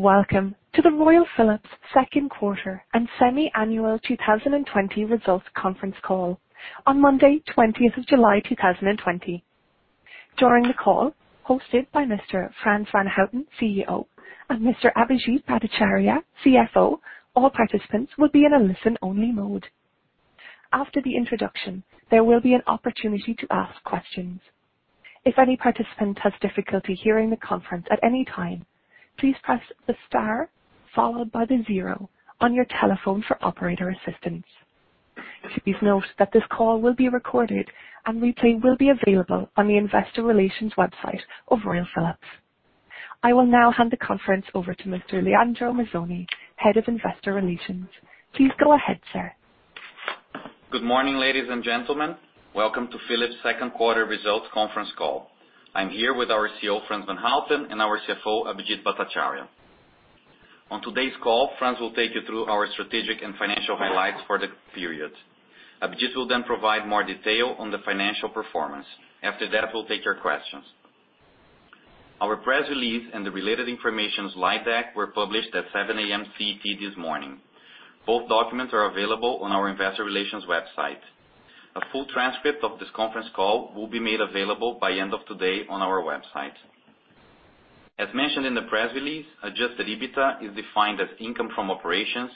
Welcome to the Royal Philips second quarter and semi-annual 2020 results conference call on Monday 20th of July 2020. During the call, hosted by Mr. Frans van Houten, CEO, and Mr. Abhijit Bhattacharya, CFO, all participants will be in a listen-only mode. After the introduction, there will be an opportunity to ask questions. If any participant has difficulty hearing the conference at any time, please press the star followed by the zero on your telephone for operator assistance. Please note that this call will be recorded and replaying will be available on the Investor Relations website of Royal Philips. I will now hand the conference over to Mr. Leandro Mazzone, Head of Investor Relations. Please go ahead, sir. Good morning, ladies and gentlemen. Welcome to Philips second quarter results conference call. I'm here with our CEO, Frans van Houten, and our CFO, Abhijit Bhattacharya. On today's call, Frans will take you through our strategic and financial highlights for the period. Abhijit will then provide more detail on the financial performance. After that, we'll take your questions. Our press release and the related information slide deck were published at 7:00 A.M. CET this morning. Both documents are available on our investor relations website. A full transcript of this conference call will be made available by end of today on our website. As mentioned in the press release, Adjusted EBITA is defined as income from operations,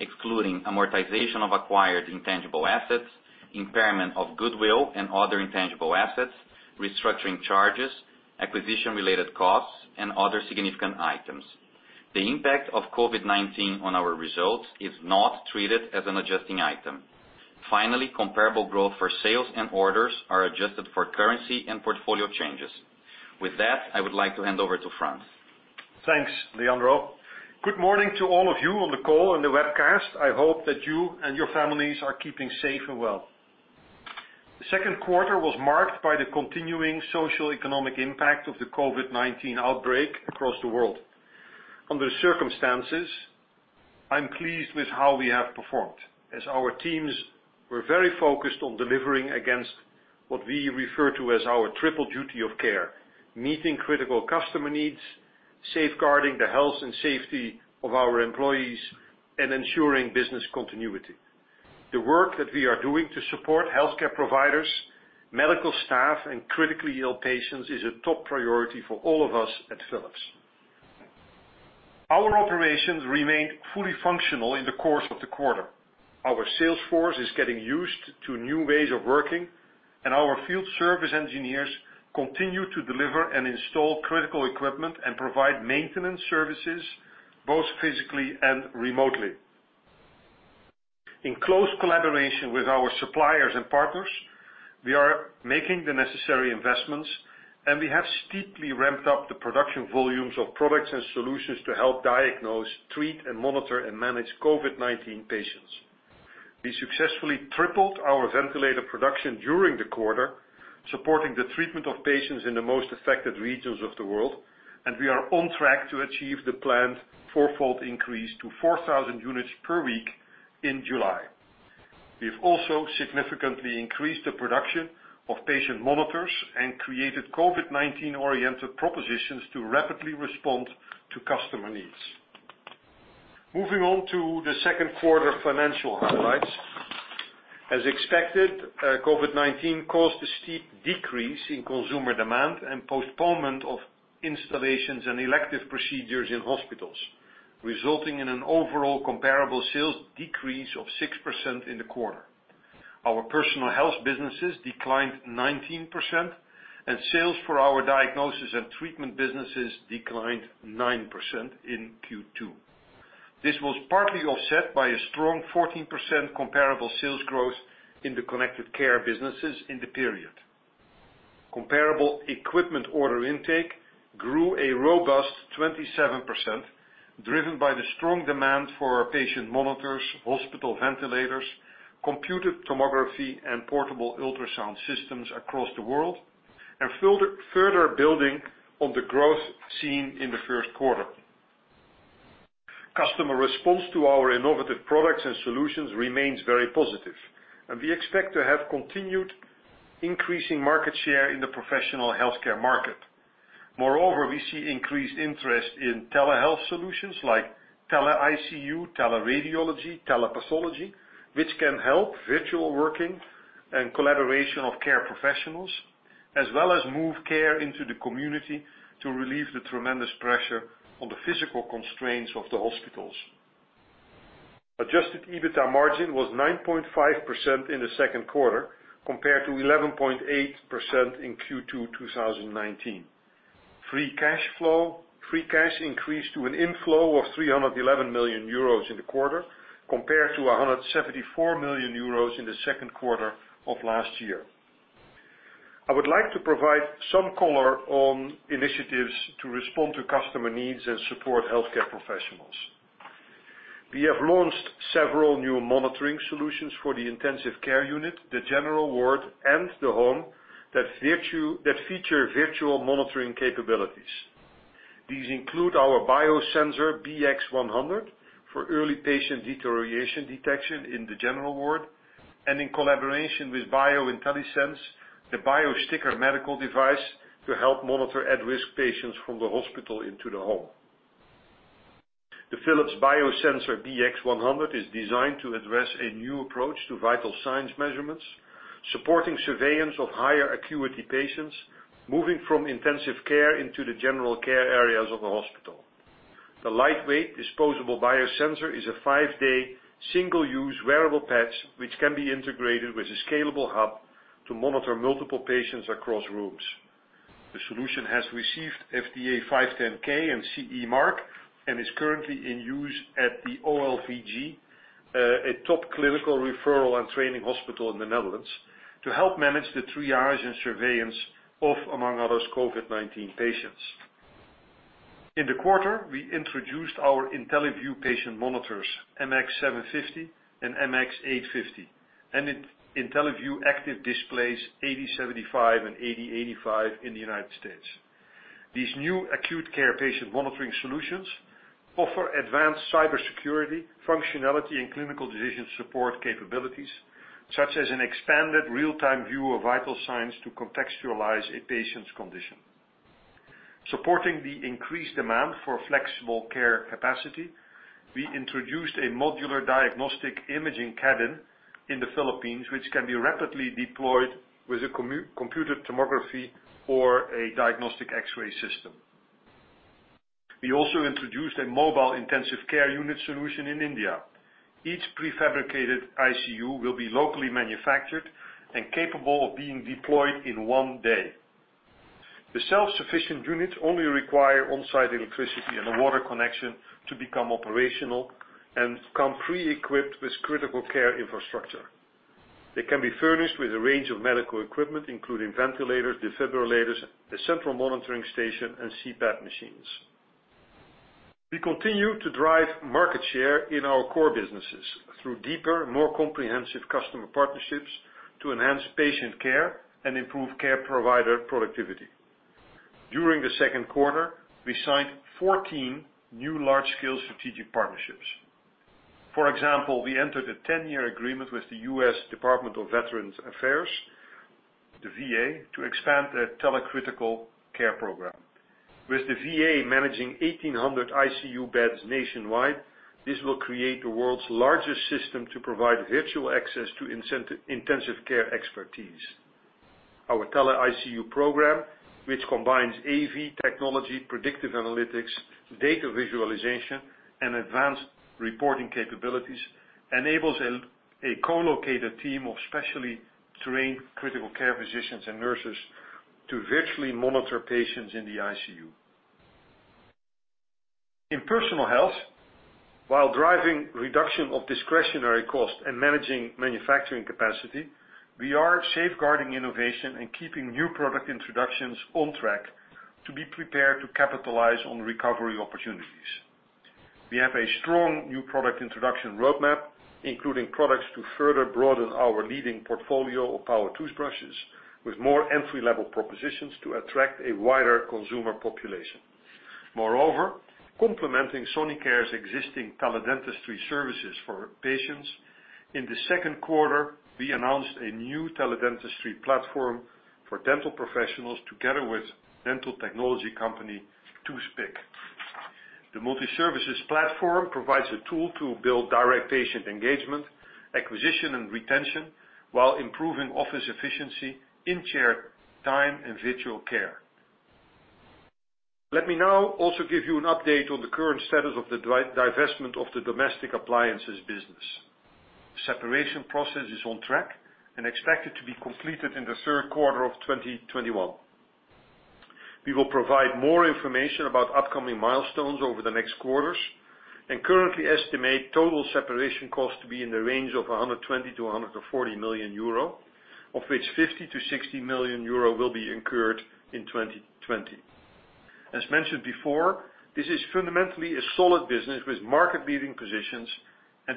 excluding amortization of acquired intangible assets, impairment of goodwill and other intangible assets, restructuring charges, acquisition-related costs, and other significant items. The impact of COVID-19 on our results is not treated as an adjusting item. Finally, comparable growth for sales and orders are adjusted for currency and portfolio changes. With that, I would like to hand over to Frans. Thanks, Leandro. Good morning to all of you on the call and the webcast. I hope that you and your families are keeping safe and well. The second quarter was marked by the continuing socioeconomic impact of the COVID-19 outbreak across the world. Under the circumstances, I'm pleased with how we have performed, as our teams were very focused on delivering against what we refer to as our triple duty of care, meeting critical customer needs, safeguarding the health and safety of our employees, and ensuring business continuity. The work that we are doing to support healthcare providers, medical staff, and critically ill patients is a top priority for all of us at Philips. Our operations remained fully functional in the course of the quarter. Our sales force is getting used to new ways of working, and our field service engineers continue to deliver and install critical equipment and provide maintenance services both physically and remotely. In close collaboration with our suppliers and partners, we are making the necessary investments, and we have steeply ramped up the production volumes of products and solutions to help diagnose, treat, and monitor, and manage COVID-19 patients. We successfully tripled our ventilator production during the quarter, supporting the treatment of patients in the most affected regions of the world, and we are on track to achieve the planned fourfold increase to 4,000 units per week in July. We've also significantly increased the production of patient monitors and created COVID-19-oriented propositions to rapidly respond to customer needs. Moving on to the second quarter financial highlights. As expected, COVID-19 caused a steep decrease in consumer demand and postponement of installations and elective procedures in hospitals, resulting in an overall comparable sales decrease of 6% in the quarter. Our Personal Health businesses declined 19%, and sales for our Diagnosis & Treatment businesses declined 9% in Q2. This was partly offset by a strong 14% comparable sales growth in the Connected Care businesses in the period. Comparable equipment order intake grew a robust 27%, driven by the strong demand for our patient monitors, hospital ventilators, computed tomography, and portable ultrasound systems across the world, and further building on the growth seen in the first quarter. Customer response to our innovative products and solutions remains very positive, and we expect to have continued increasing market share in the professional healthcare market. Moreover, we see increased interest in telehealth solutions like tele-ICU, tele-radiology, tele-pathology, which can help virtual working and collaboration of care professionals, as well as move care into the community to relieve the tremendous pressure on the physical constraints of the hospitals. Adjusted EBITA margin was 9.5% in the second quarter compared to 11.8% in Q2 2019. Free cash increased to an inflow of €311 million in the quarter compared to €174 million in the second quarter of last year. I would like to provide some color on initiatives to respond to customer needs and support healthcare professionals. We have launched several new monitoring solutions for the intensive care unit, the general ward, and the home that feature virtual monitoring capabilities. These include our Philips Biosensor BX100 for early patient deterioration detection in the general ward and in collaboration with BioIntelliSense, the BioSticker medical device to help monitor at-risk patients from the hospital into the home. The Philips Biosensor BX100 is designed to address a new approach to vital signs measurements, supporting surveillance of higher acuity patients, moving from intensive care into the general care areas of the hospital. The lightweight disposable biosensor is a five-day single-use wearable patch, which can be integrated with a scalable hub to monitor multiple patients across rooms. The solution has received FDA 510(k) and CE mark and is currently in use at the OLVG, a top clinical referral and training hospital in the Netherlands, to help manage the triage and surveillance of, among others, COVID-19 patients. In the quarter, we introduced our IntelliVue patient monitors, MX750 and MX850, and IntelliVue active displays AD75 and AD85 in the U.S. These new acute care patient monitoring solutions offer advanced cybersecurity, functionality, and clinical decision support capabilities, such as an expanded real-time view of vital signs to contextualize a patient's condition. Supporting the increased demand for flexible care capacity, we introduced a modular diagnostic imaging cabin in the Philippines, which can be rapidly deployed with a computer tomography or a diagnostic X-ray system. We also introduced a mobile intensive care unit solution in India. Each prefabricated ICU will be locally manufactured and capable of being deployed in one day. The self-sufficient units only require on-site electricity and a water connection to become operational and come pre-equipped with critical care infrastructure. They can be furnished with a range of medical equipment, including ventilators, defibrillators, a central monitoring station, and CPAP machines. We continue to drive market share in our core businesses through deeper, more comprehensive customer partnerships to enhance patient care and improve care provider productivity. During the second quarter, we signed 14 new large-scale strategic partnerships. For example, we entered a 10-year agreement with the U.S. Department of Veterans Affairs, the VA, to expand their telecritical care program. With the VA managing 1,800 ICU beds nationwide, this will create the world's largest system to provide virtual access to intensive care expertise. Our teleICU program, which combines AV technology, predictive analytics, data visualization, and advanced reporting capabilities, enables a co-located team of specially trained critical care physicians and nurses to virtually monitor patients in the ICU. In personal health, while driving reduction of discretionary cost and managing manufacturing capacity, we are safeguarding innovation and keeping new product introductions on track to be prepared to capitalize on recovery opportunities. We have a strong new product introduction roadmap, including products to further broaden our leading portfolio of power toothbrushes with more entry-level propositions to attract a wider consumer population. Moreover, complementing Sonicare's existing teledentistry services for patients, in the second quarter, we announced a new teledentistry platform for dental professionals together with dental technology company, Toothpic. The multi-services platform provides a tool to build direct patient engagement, acquisition, and retention while improving office efficiency in chair time and virtual care. Let me now also give you an update on the current status of the divestment of the Domestic Appliances business. Separation process is on track and expected to be completed in the third quarter of 2021. We will provide more information about upcoming milestones over the next quarters and currently estimate total separation cost to be in the range of 120 million-140 million euro, of which 50 million-60 million euro will be incurred in 2020. As mentioned before, this is fundamentally a solid business with market-leading positions.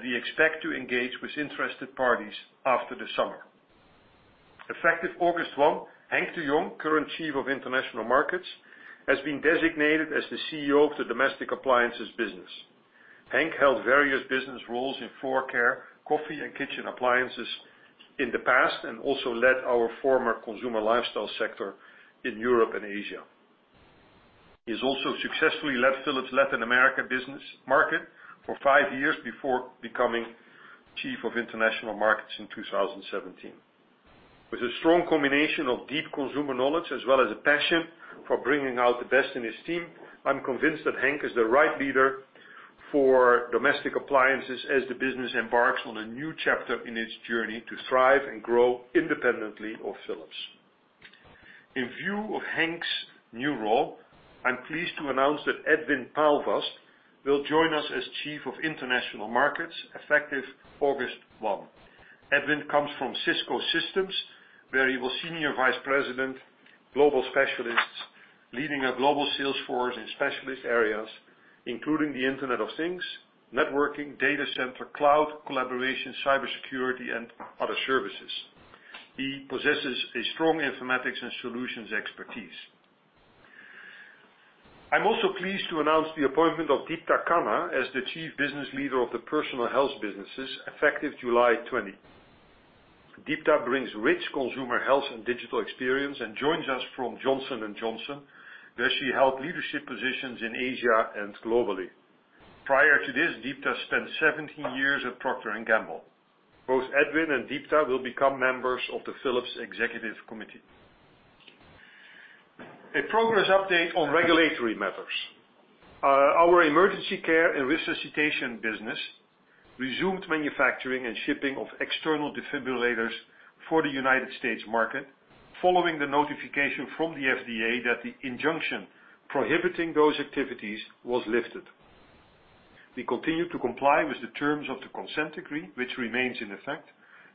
We expect to engage with interested parties after the summer. Effective August 1, Henk de Jong, current Chief of International Markets, has been designated as the CEO of the domestic appliances business. Henk held various business roles in floor care, coffee, and kitchen appliances in the past, and also led our former Consumer Lifestyle sector in Europe and Asia. He has also successfully led Philips Latin America business market for five years before becoming Chief of International Markets in 2017. With a strong combination of deep consumer knowledge as well as a passion for bringing out the best in his team, I'm convinced that Henk is the right leader for domestic appliances as the business embarks on a new chapter in its journey to thrive and grow independently of Philips. In view of Henk's new role, I'm pleased to announce that Edwin Paalvast will join us as Chief of International Markets effective August 1. Edwin comes from Cisco Systems, where he was Senior Vice President, Global Specialists, leading a global sales force in specialist areas, including the Internet of Things, networking, data center, cloud, collaboration, cybersecurity, and other services. He possesses a strong informatics and solutions expertise. I'm also pleased to announce the appointment of Deeptha Khanna as the Chief Business Leader of the Personal Health businesses, effective July 20. Deeptha brings rich consumer health and digital experience and joins us from Johnson & Johnson, where she held leadership positions in Asia and globally. Prior to this, Deeptha spent 17 years at Procter & Gamble. Both Edwin and Deeptha will become members of the Philips executive committee. A progress update on regulatory matters. Our emergency care and resuscitation business resumed manufacturing and shipping of external defibrillators for the United States market following the notification from the FDA that the injunction prohibiting those activities was lifted. We continue to comply with the terms of the consent decree, which remains in effect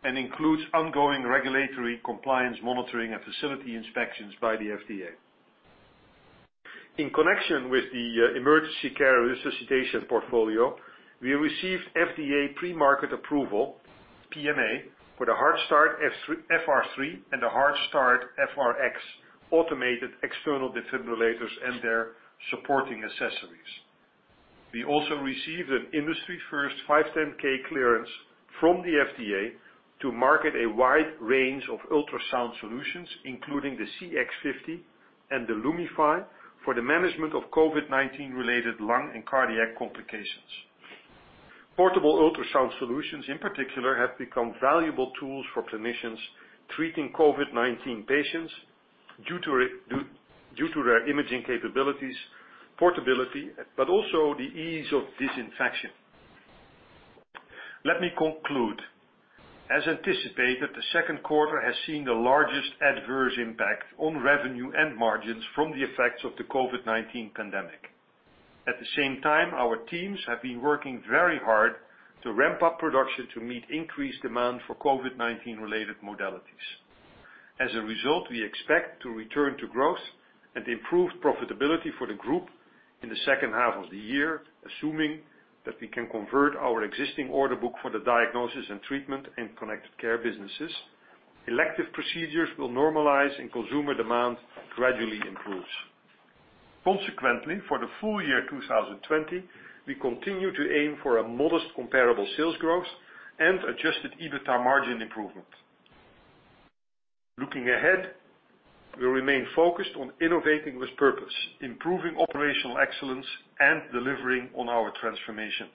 and includes ongoing regulatory compliance monitoring and facility inspections by the FDA. In connection with the emergency care resuscitation portfolio, we received FDA pre-market approval, PMA, for the HeartStart FR3 and the HeartStart FRx automated external defibrillators and their supporting accessories. We also received an industry-first 510(k) clearance from the FDA to market a wide range of ultrasound solutions, including the CX50 and the Lumify, for the management of COVID-19 related lung and cardiac complications. Portable ultrasound solutions, in particular, have become valuable tools for clinicians treating COVID-19 patients due to their imaging capabilities, portability, but also the ease of disinfection. Let me conclude. As anticipated, the second quarter has seen the largest adverse impact on revenue and margins from the effects of the COVID-19 pandemic. At the same time, our teams have been working very hard to ramp up production to meet increased demand for COVID-19 related modalities. As a result, we expect to return to growth and improved profitability for the group in the second half of the year, assuming that we can convert our existing order book for the Diagnosis & Treatment and Connected Care businesses. Elective procedures will normalize, and consumer demand gradually improves. Consequently, for the full year 2020, we continue to aim for a modest comparable sales growth and Adjusted EBITA margin improvement. Looking ahead, we remain focused on innovating with purpose, improving operational excellence, and delivering on our transformation.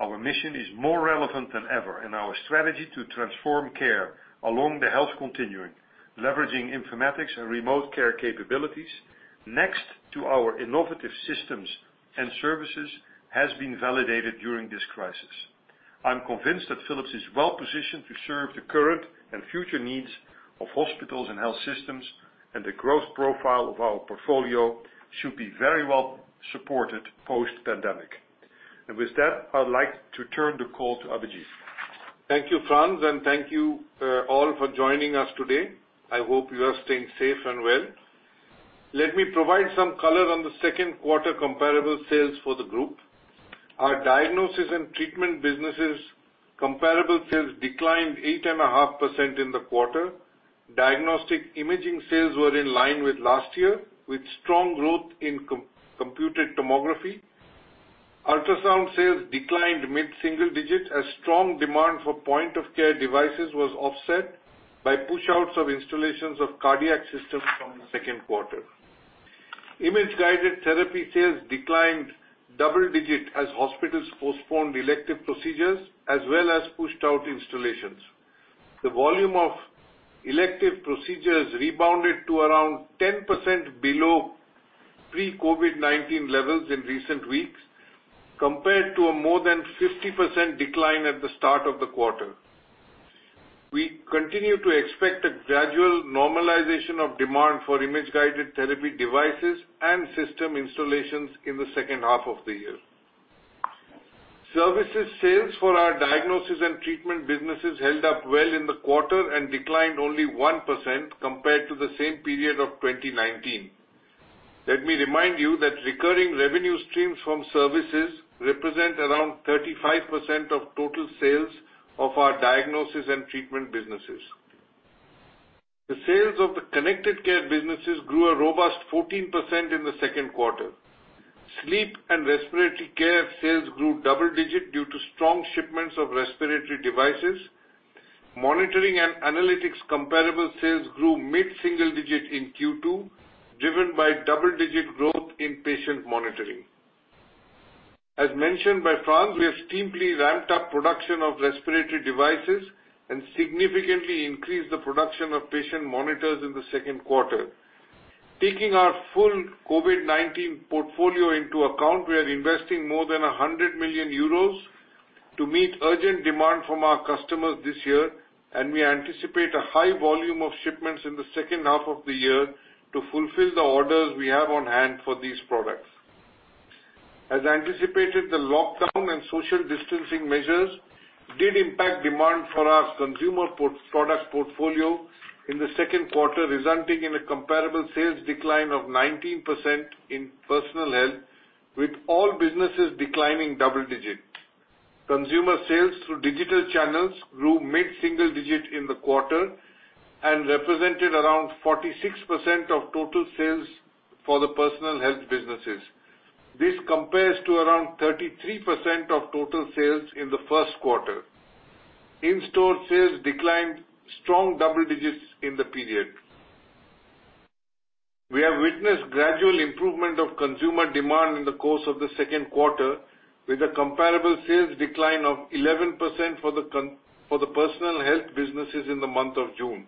Our mission is more relevant than ever, and our strategy to transform care along the health continuum, leveraging informatics and remote care capabilities next to our innovative systems and services, has been validated during this crisis. I'm convinced that Philips is well-positioned to serve the current and future needs of hospitals and health systems, and the growth profile of our portfolio should be very well supported post-pandemic. And with that, I would like to turn the call to Abhijit. Thank you, Frans, and thank you all for joining us today. I hope you are staying safe and well. Let me provide some color on the second quarter comparable sales for the group. Our Diagnosis & Treatment businesses comparable sales declined 8.5% in the quarter. Diagnostic imaging sales were in line with last year, with strong growth in computed tomography. Ultrasound sales declined mid-single digits as strong demand for point-of-care devices was offset by pushouts of installations of cardiac systems from the second quarter. Image-guided therapy sales declined double digits as hospitals postponed elective procedures, as well as pushed out installations. The volume of elective procedures rebounded to around 10% below pre-COVID-19 levels in recent weeks, compared to a more than 50% decline at the start of the quarter. We continue to expect a gradual normalization of demand for image-guided therapy devices and system installations in the second half of the year. Services sales for our diagnosis and treatment businesses held up well in the quarter and declined only 1% compared to the same period of 2019. Let me remind you that recurring revenue streams from services represent around 35% of total sales of our diagnosis and treatment businesses. The sales of the connected care businesses grew a robust 14% in the second quarter. Sleep and respiratory care sales grew double digits due to strong shipments of respiratory devices. Monitoring and analytics comparable sales grew mid-single digits in Q2, driven by double-digit growth in patient monitoring. As mentioned by Frans, we have speedily ramped up production of respiratory devices and significantly increased the production of patient monitors in the second quarter. Taking our full COVID-19 portfolio into account, we are investing more than 100 million euros to meet urgent demand from our customers this year, and we anticipate a high volume of shipments in the second half of the year to fulfill the orders we have on hand for these products. As anticipated, the lockdown and social distancing measures did impact demand for our consumer product portfolio in the second quarter, resulting in a comparable sales decline of 19% in Personal Health, with all businesses declining double digits. Consumer sales through digital channels grew mid-single digit in the quarter and represented around 46% of total sales for the Personal Health businesses. This compares to around 33% of total sales in the first quarter. In-store sales declined strong double digits in the period. We have witnessed gradual improvement of consumer demand in the course of the second quarter, with a comparable sales decline of 11% for the Personal Health businesses in the month of June.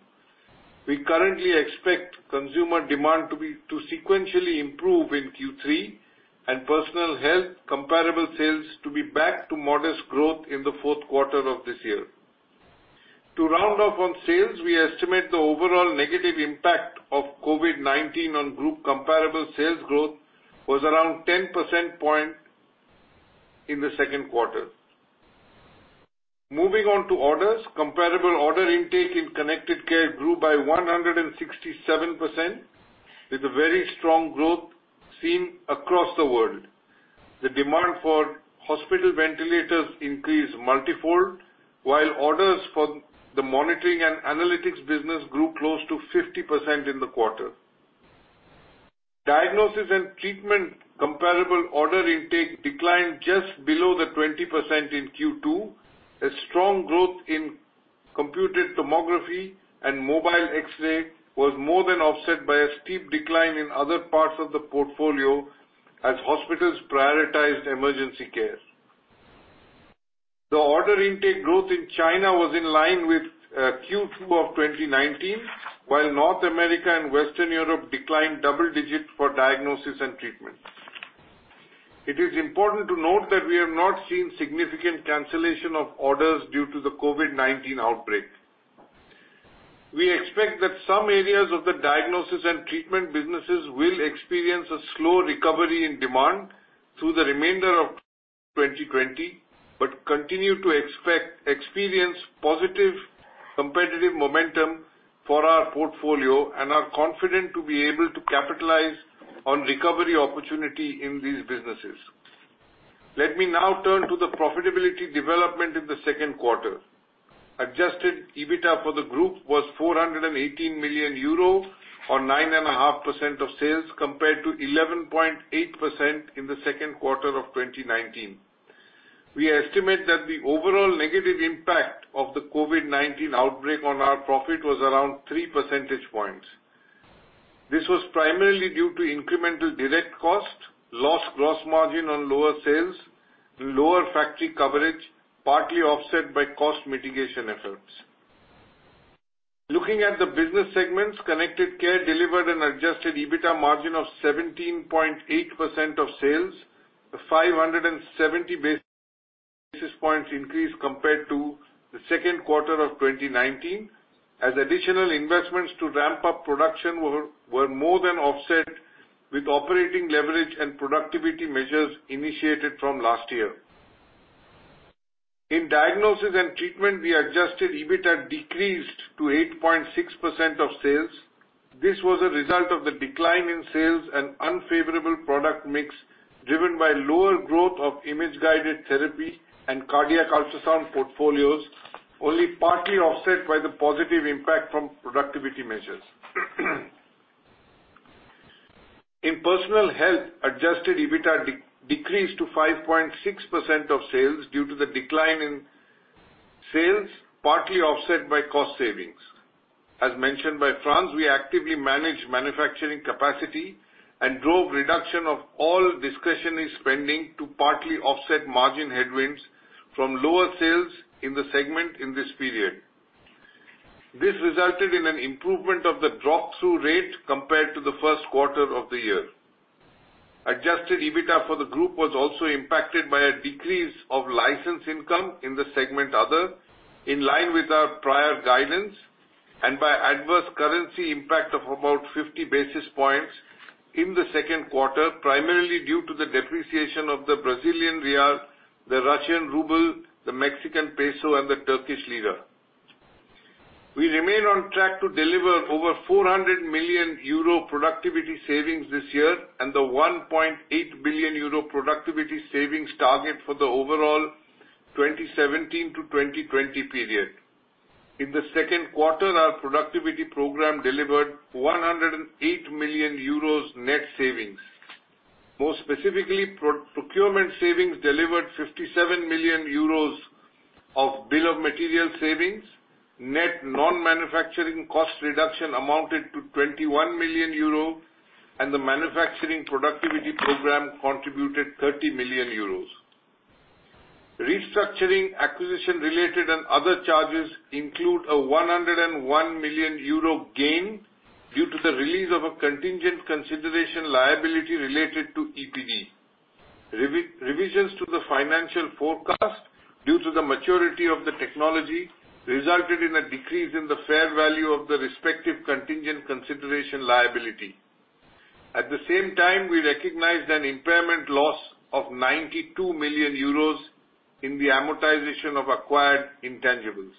We currently expect consumer demand to sequentially improve in Q3 and Personal Health comparable sales to be back to modest growth in the fourth quarter of this year. To round off on sales, we estimate the overall negative impact of COVID-19 on group comparable sales growth was around 10 percentage point in the second quarter. Moving on to orders. Comparable order intake in Connected Care grew by 167%, with a very strong growth seen across the world. The demand for hospital ventilators increased multifold, while orders for the monitoring and analytics business grew close to 50% in the quarter. Diagnosis & Treatment comparable order intake declined just below the 20% in Q2. A strong growth in computed tomography and mobile X-ray was more than offset by a steep decline in other parts of the portfolio as hospitals prioritized emergency care. The order intake growth in China was in line with Q2 of 2019, while North America and Western Europe declined double digits for diagnosis and treatment. It is important to note that we have not seen significant cancellation of orders due to the COVID-19 outbreak. We expect that some areas of the diagnosis and treatment businesses will experience a slow recovery in demand through the remainder of 2020, but continue to experience positive competitive momentum for our portfolio and are confident to be able to capitalize on recovery opportunity in these businesses. Let me now turn to the profitability development in the second quarter. Adjusted EBITA for the group was 418 million euro or 9.5% of sales, compared to 11.8% in the second quarter of 2019. We estimate that the overall negative impact of the COVID-19 outbreak on our profit was around three percentage points. This was primarily due to incremental direct cost, lost gross margin on lower sales, and lower factory coverage, partly offset by cost mitigation efforts. Looking at the business segments, Connected Care delivered an Adjusted EBITA margin of 17.8% of sales, a 570 basis points increase compared to the second quarter of 2019, as additional investments to ramp up production were more than offset with operating leverage and productivity measures initiated from last year. In Diagnosis & Treatment, the Adjusted EBITA decreased to 8.6% of sales. This was a result of the decline in sales and unfavorable product mix, driven by lower growth of image-guided therapy and cardiac ultrasound portfolios, only partly offset by the positive impact from productivity measures. In Personal Health, Adjusted EBITA decreased to 5.6% of sales due to the decline in sales, partly offset by cost savings. As mentioned by Frans, we actively manage manufacturing capacity and drove reduction of all discretionary spending to partly offset margin headwinds from lower sales in the segment in this period. This resulted in an improvement of the drop-through rate compared to the first quarter of the year. Adjusted EBITDA for the group was also impacted by a decrease of license income in the segment other, in line with our prior guidance, and by adverse currency impact of about 50 basis points in the second quarter, primarily due to the depreciation of the Brazilian real, the Russian ruble, the Mexican peso, and the Turkish lira. We remain on track to deliver over 400 million euro productivity savings this year and the 1.8 billion euro productivity savings target for the overall 2017 to 2020 period. In the second quarter, our productivity program delivered 108 million euros net savings. More specifically, procurement savings delivered 57 million euros of bill of material savings. Net non-manufacturing cost reduction amounted to 21 million euro, and the manufacturing productivity program contributed 30 million euros. Restructuring, acquisition related and other charges include a 101 million euro gain due to the release of a contingent consideration liability related to EPD. Revisions to the financial forecast due to the maturity of the technology resulted in a decrease in the fair value of the respective contingent consideration liability. At the same time, we recognized an impairment loss of 92 million euros in the amortization of acquired intangibles.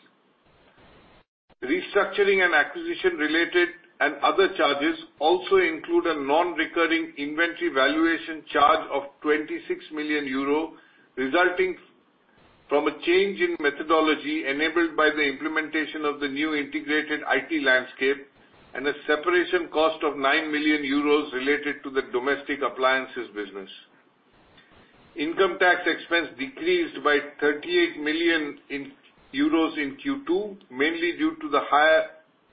Restructuring and acquisition-related and other charges also include a non-recurring inventory valuation charge of 26 million euro, resulting from a change in methodology enabled by the implementation of the new integrated IT landscape and a separation cost of 9 million euros related to the Domestic Appliances business. Income tax expense decreased by 38 million euros in Q2, mainly due to the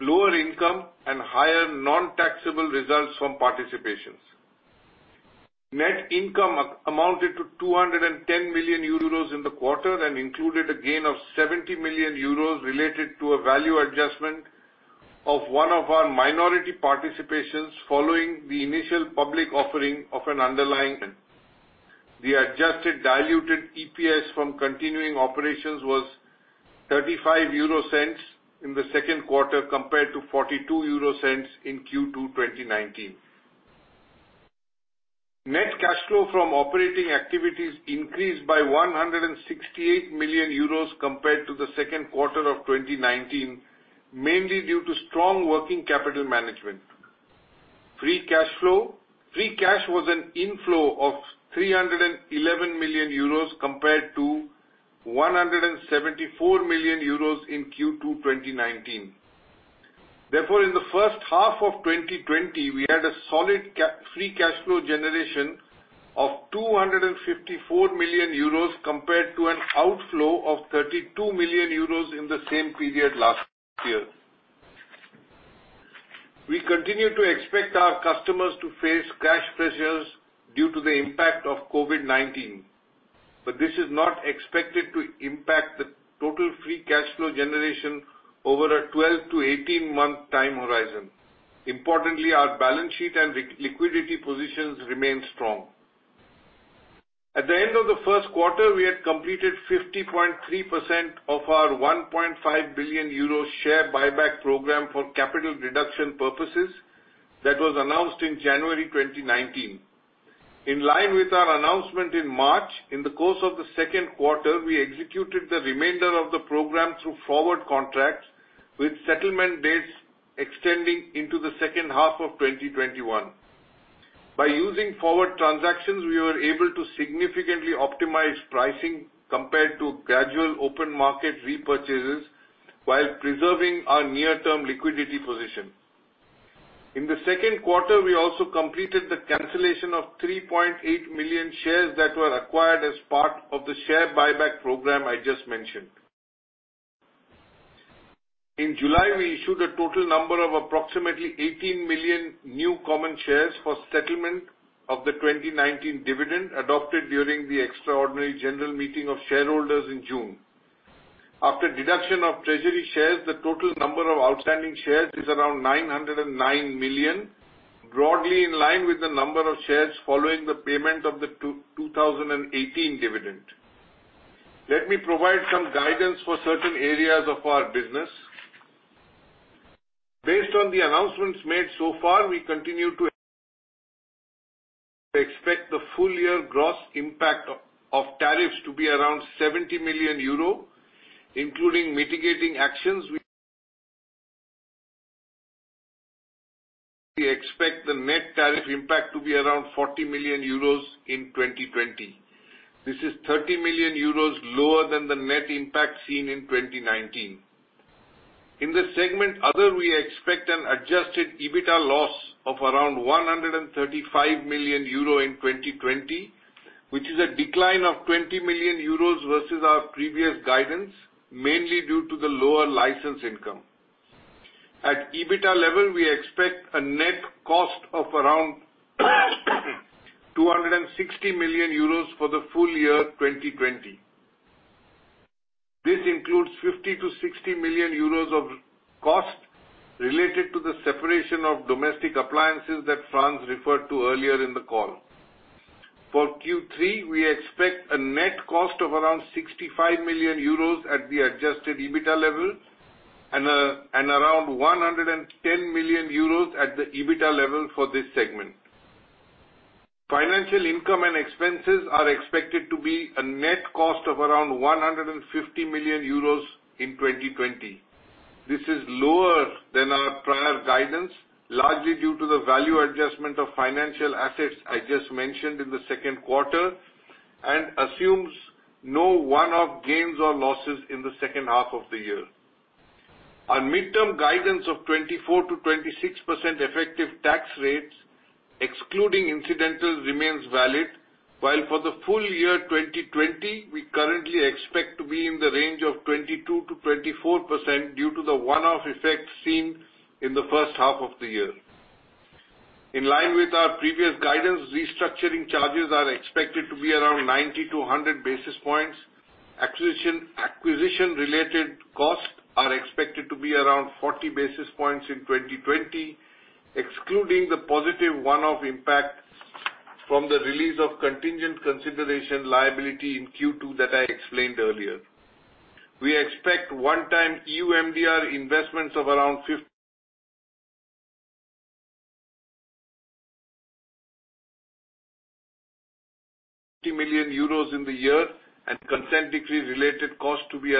lower income and higher non-taxable results from participations. Net income amounted to 210 million euros in the quarter and included a gain of 70 million euros related to a value adjustment of one of our minority participations following the initial public offering of an underlying. The adjusted diluted EPS from continuing operations was 0.35 in the second quarter compared to 0.42 in Q2 2019. Net cash flow from operating activities increased by 168 million euros compared to the second quarter of 2019, mainly due to strong working capital management. Free cash was an inflow of 311 million euros compared to 174 million euros in Q2 2019. In the first half of 2020, we had a solid free cash flow generation of 254 million euros compared to an outflow of 32 million euros in the same period last year. We continue to expect our customers to face cash pressures due to the impact of COVID-19, but this is not expected to impact the total free cash flow generation over a 12 to 18-month time horizon. Importantly, our balance sheet and liquidity positions remain strong. At the end of the first quarter, we had completed 50.3% of our 1.5 billion euro share buyback program for capital reduction purposes that was announced in January 2019. In line with our announcement in March, in the course of the second quarter, we executed the remainder of the program through forward contracts with settlement dates extending into the second half of 2021. By using forward transactions, we were able to significantly optimize pricing compared to gradual open market repurchases while preserving our near-term liquidity position. In the second quarter, we also completed the cancellation of 3.8 million shares that were acquired as part of the share buyback program I just mentioned. In July, we issued a total number of approximately 18 million new common shares for settlement of the 2019 dividend adopted during the extraordinary general meeting of shareholders in June. After deduction of treasury shares, the total number of outstanding shares is around 909 million, broadly in line with the number of shares following the payment of the 2018 dividend. Let me provide some guidance for certain areas of our business. Based on the announcements made so far, we continue to expect the full-year gross impact of tariffs to be around 70 million euro, including mitigating actions. We expect the net tariff impact to be around 40 million euros in 2020. This is 30 million euros lower than the net impact seen in 2019. In the segment Other, we expect an adjusted EBITA loss of around 135 million euro in 2020, which is a decline of 20 million euros versus our previous guidance, mainly due to the lower license income. At EBITA level, we expect a net cost of around 260 million euros for the full year 2020. This includes 50 million-60 million euros of cost related to the separation of domestic appliances that Frans referred to earlier in the call. For Q3, we expect a net cost of around 65 million euros at the adjusted EBITA level and around 110 million euros at the EBITA level for this segment. Financial income and expenses are expected to be a net cost of around 150 million euros in 2020. This is lower than our prior guidance, largely due to the value adjustment of financial assets I just mentioned in the second quarter and assumes no one-off gains or losses in the second half of the year. Our midterm guidance of 24%-26% effective tax rates, excluding incidentals, remains valid, while for the full year 2020, we currently expect to be in the range of 22%-24% due to the one-off effect seen in the first half of the year. In line with our previous guidance, restructuring charges are expected to be around 90-100 basis points. Acquisition-related costs are expected to be around 40 basis points in 2020, excluding the positive one-off impact from the release of contingent consideration liability in Q2 that I explained earlier. We expect one-time EU MDR investments of around 15 million euros in the year and consent decree-related costs to be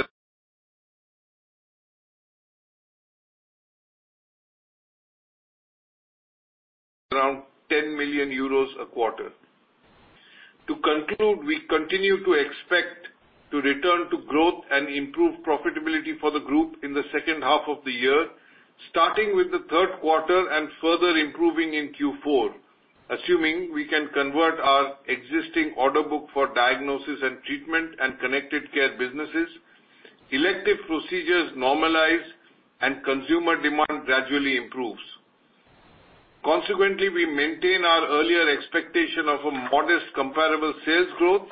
around 10 million euros a quarter. To conclude, we continue to expect to return to growth and improve profitability for the group in the second half of the year, starting with the third quarter and further improving in Q4, assuming we can convert our existing order book for Diagnosis & Treatment and Connected Care businesses, elective procedures normalize, and consumer demand gradually improves. Consequently, we maintain our earlier expectation of a modest comparable sales growth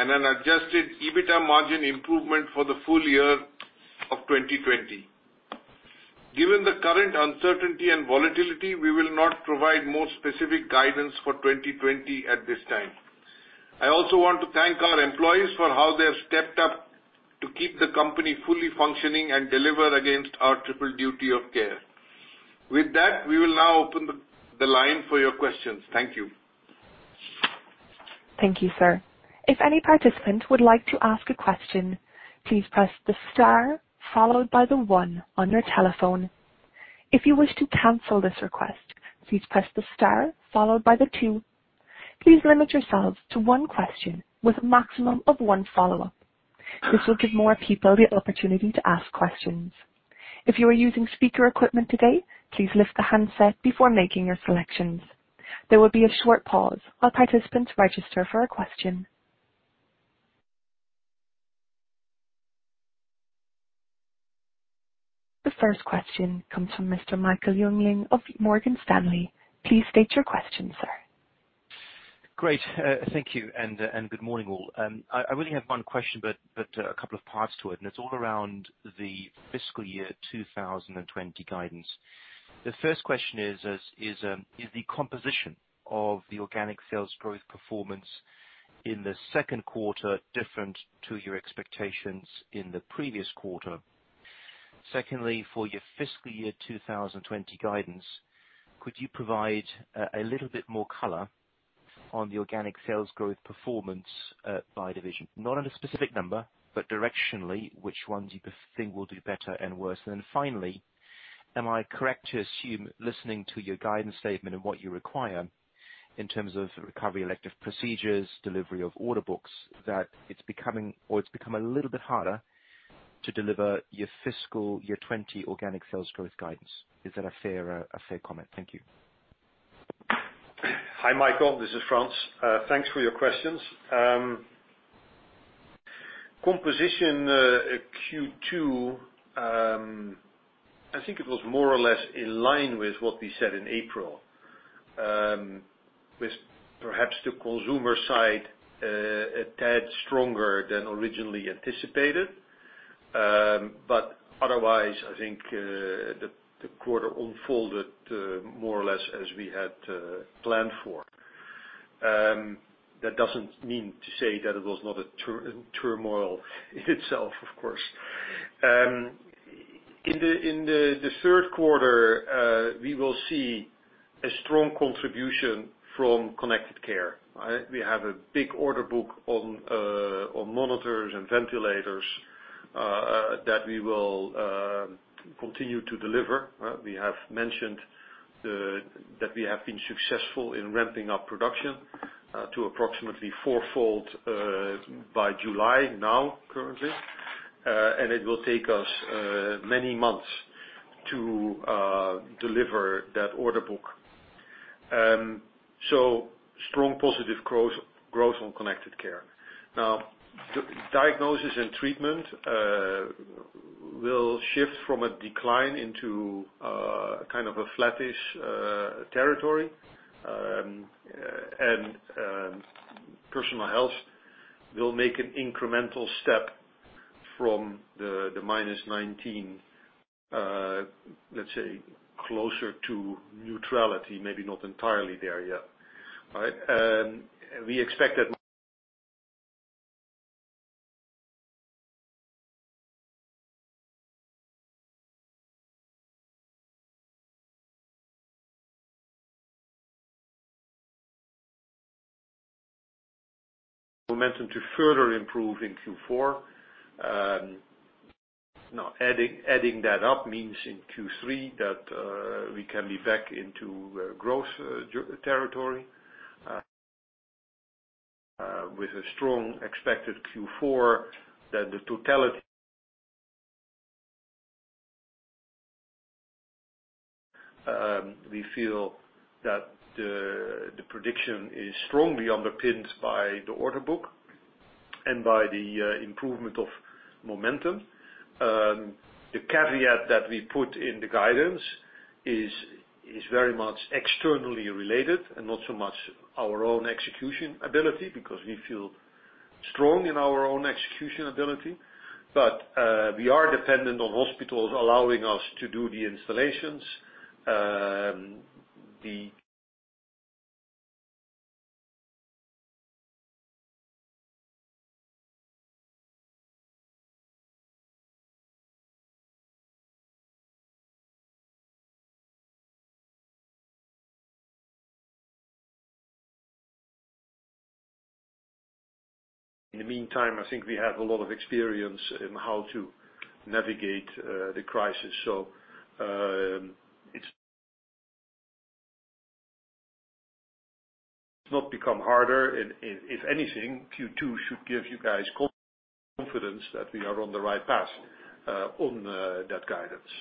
and an Adjusted EBITA margin improvement for the full year of 2020. Given the current uncertainty and volatility, we will not provide more specific guidance for 2020 at this time. I also want to thank our employees for how they have stepped up to keep the company fully functioning and deliver against our triple duty of care. With that, we will now open the line for your questions. Thank you. Thank you, sir. If any participant would like to ask a question, please press the star followed by the one on your telephone. If you wish to cancel this request, please press the star followed by the two. Please limit yourselves to one question with a maximum of one follow-up. This will give more people the opportunity to ask questions. If you are using speaker equipment today, please lift the handset before making your selections. There will be a short pause while participants register for a question. The first question comes from Mr. Michael Jüngling of Morgan Stanley. Please state your question, sir. Great. Thank you. Good morning, all. I really have one question, a couple of parts to it. It's all around the fiscal year 2020 guidance. The first question is the composition of the organic sales growth performance in the second quarter different to your expectations in the previous quarter? Secondly, for your fiscal year 2020 guidance, could you provide a little bit more color on the organic sales growth performance, by division? Not on a specific number, directionally, which ones you think will do better and worse. Finally, am I correct to assume, listening to your guidance statement and what you require in terms of recovery elective procedures, delivery of order books, that it's become a little bit harder to deliver your fiscal year 2020 organic sales growth guidance? Is that a fair comment? Thank you. Hi, Michael. This is Frans. Thanks for your questions. Composition, Q2, I think it was more or less in line with what we said in April. Perhaps the consumer side a tad stronger than originally anticipated. Otherwise, I think, the quarter unfolded more or less as we had planned for. That doesn't mean to say that it was not a turmoil in itself, of course. In the third quarter, we will see a strong contribution from connected care. We have a big order book on monitors and ventilators that we will continue to deliver. We have mentioned that we have been successful in ramping up production to approximately four-fold by July now, currently. It will take us many months to deliver that order book. Strong positive growth on connected care. Diagnosis and Treatment will shift from a decline into a kind of a flattish territory. Personal Health will make an incremental step from the -19, let's say, closer to neutrality, maybe not entirely there yet. We expect that momentum to further improve in Q4. Adding that up means in Q3 that we can be back into growth territory. With a strong expected Q4. We feel that the prediction is strongly underpinned by the order book and by the improvement of momentum. The caveat that we put in the guidance is very much externally related and not so much our own execution ability, because we feel strong in our own execution ability. We are dependent on hospitals allowing us to do the installations. In the meantime, I think we have a lot of experience in how to navigate the crisis. It's not become harder. If anything, Q2 should give you guys confidence that we are on the right path on that guidance.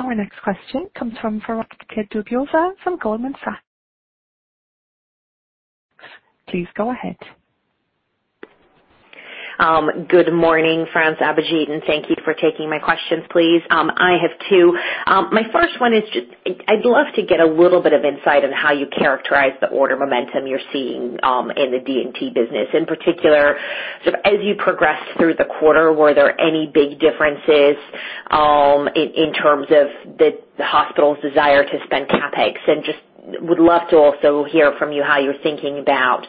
Our next question comes from Veronika Dubajova from Goldman Sachs. Please go ahead. Good morning, Frans, Abhijit, and thank you for taking my questions, please. I have two. My first one is, I'd love to get a little bit of insight on how you characterize the order momentum you're seeing in the D&T business. In particular, as you progress through the quarter, were there any big differences in terms of the hospital's desire to spend CapEx? Just would love to also hear from you how you're thinking about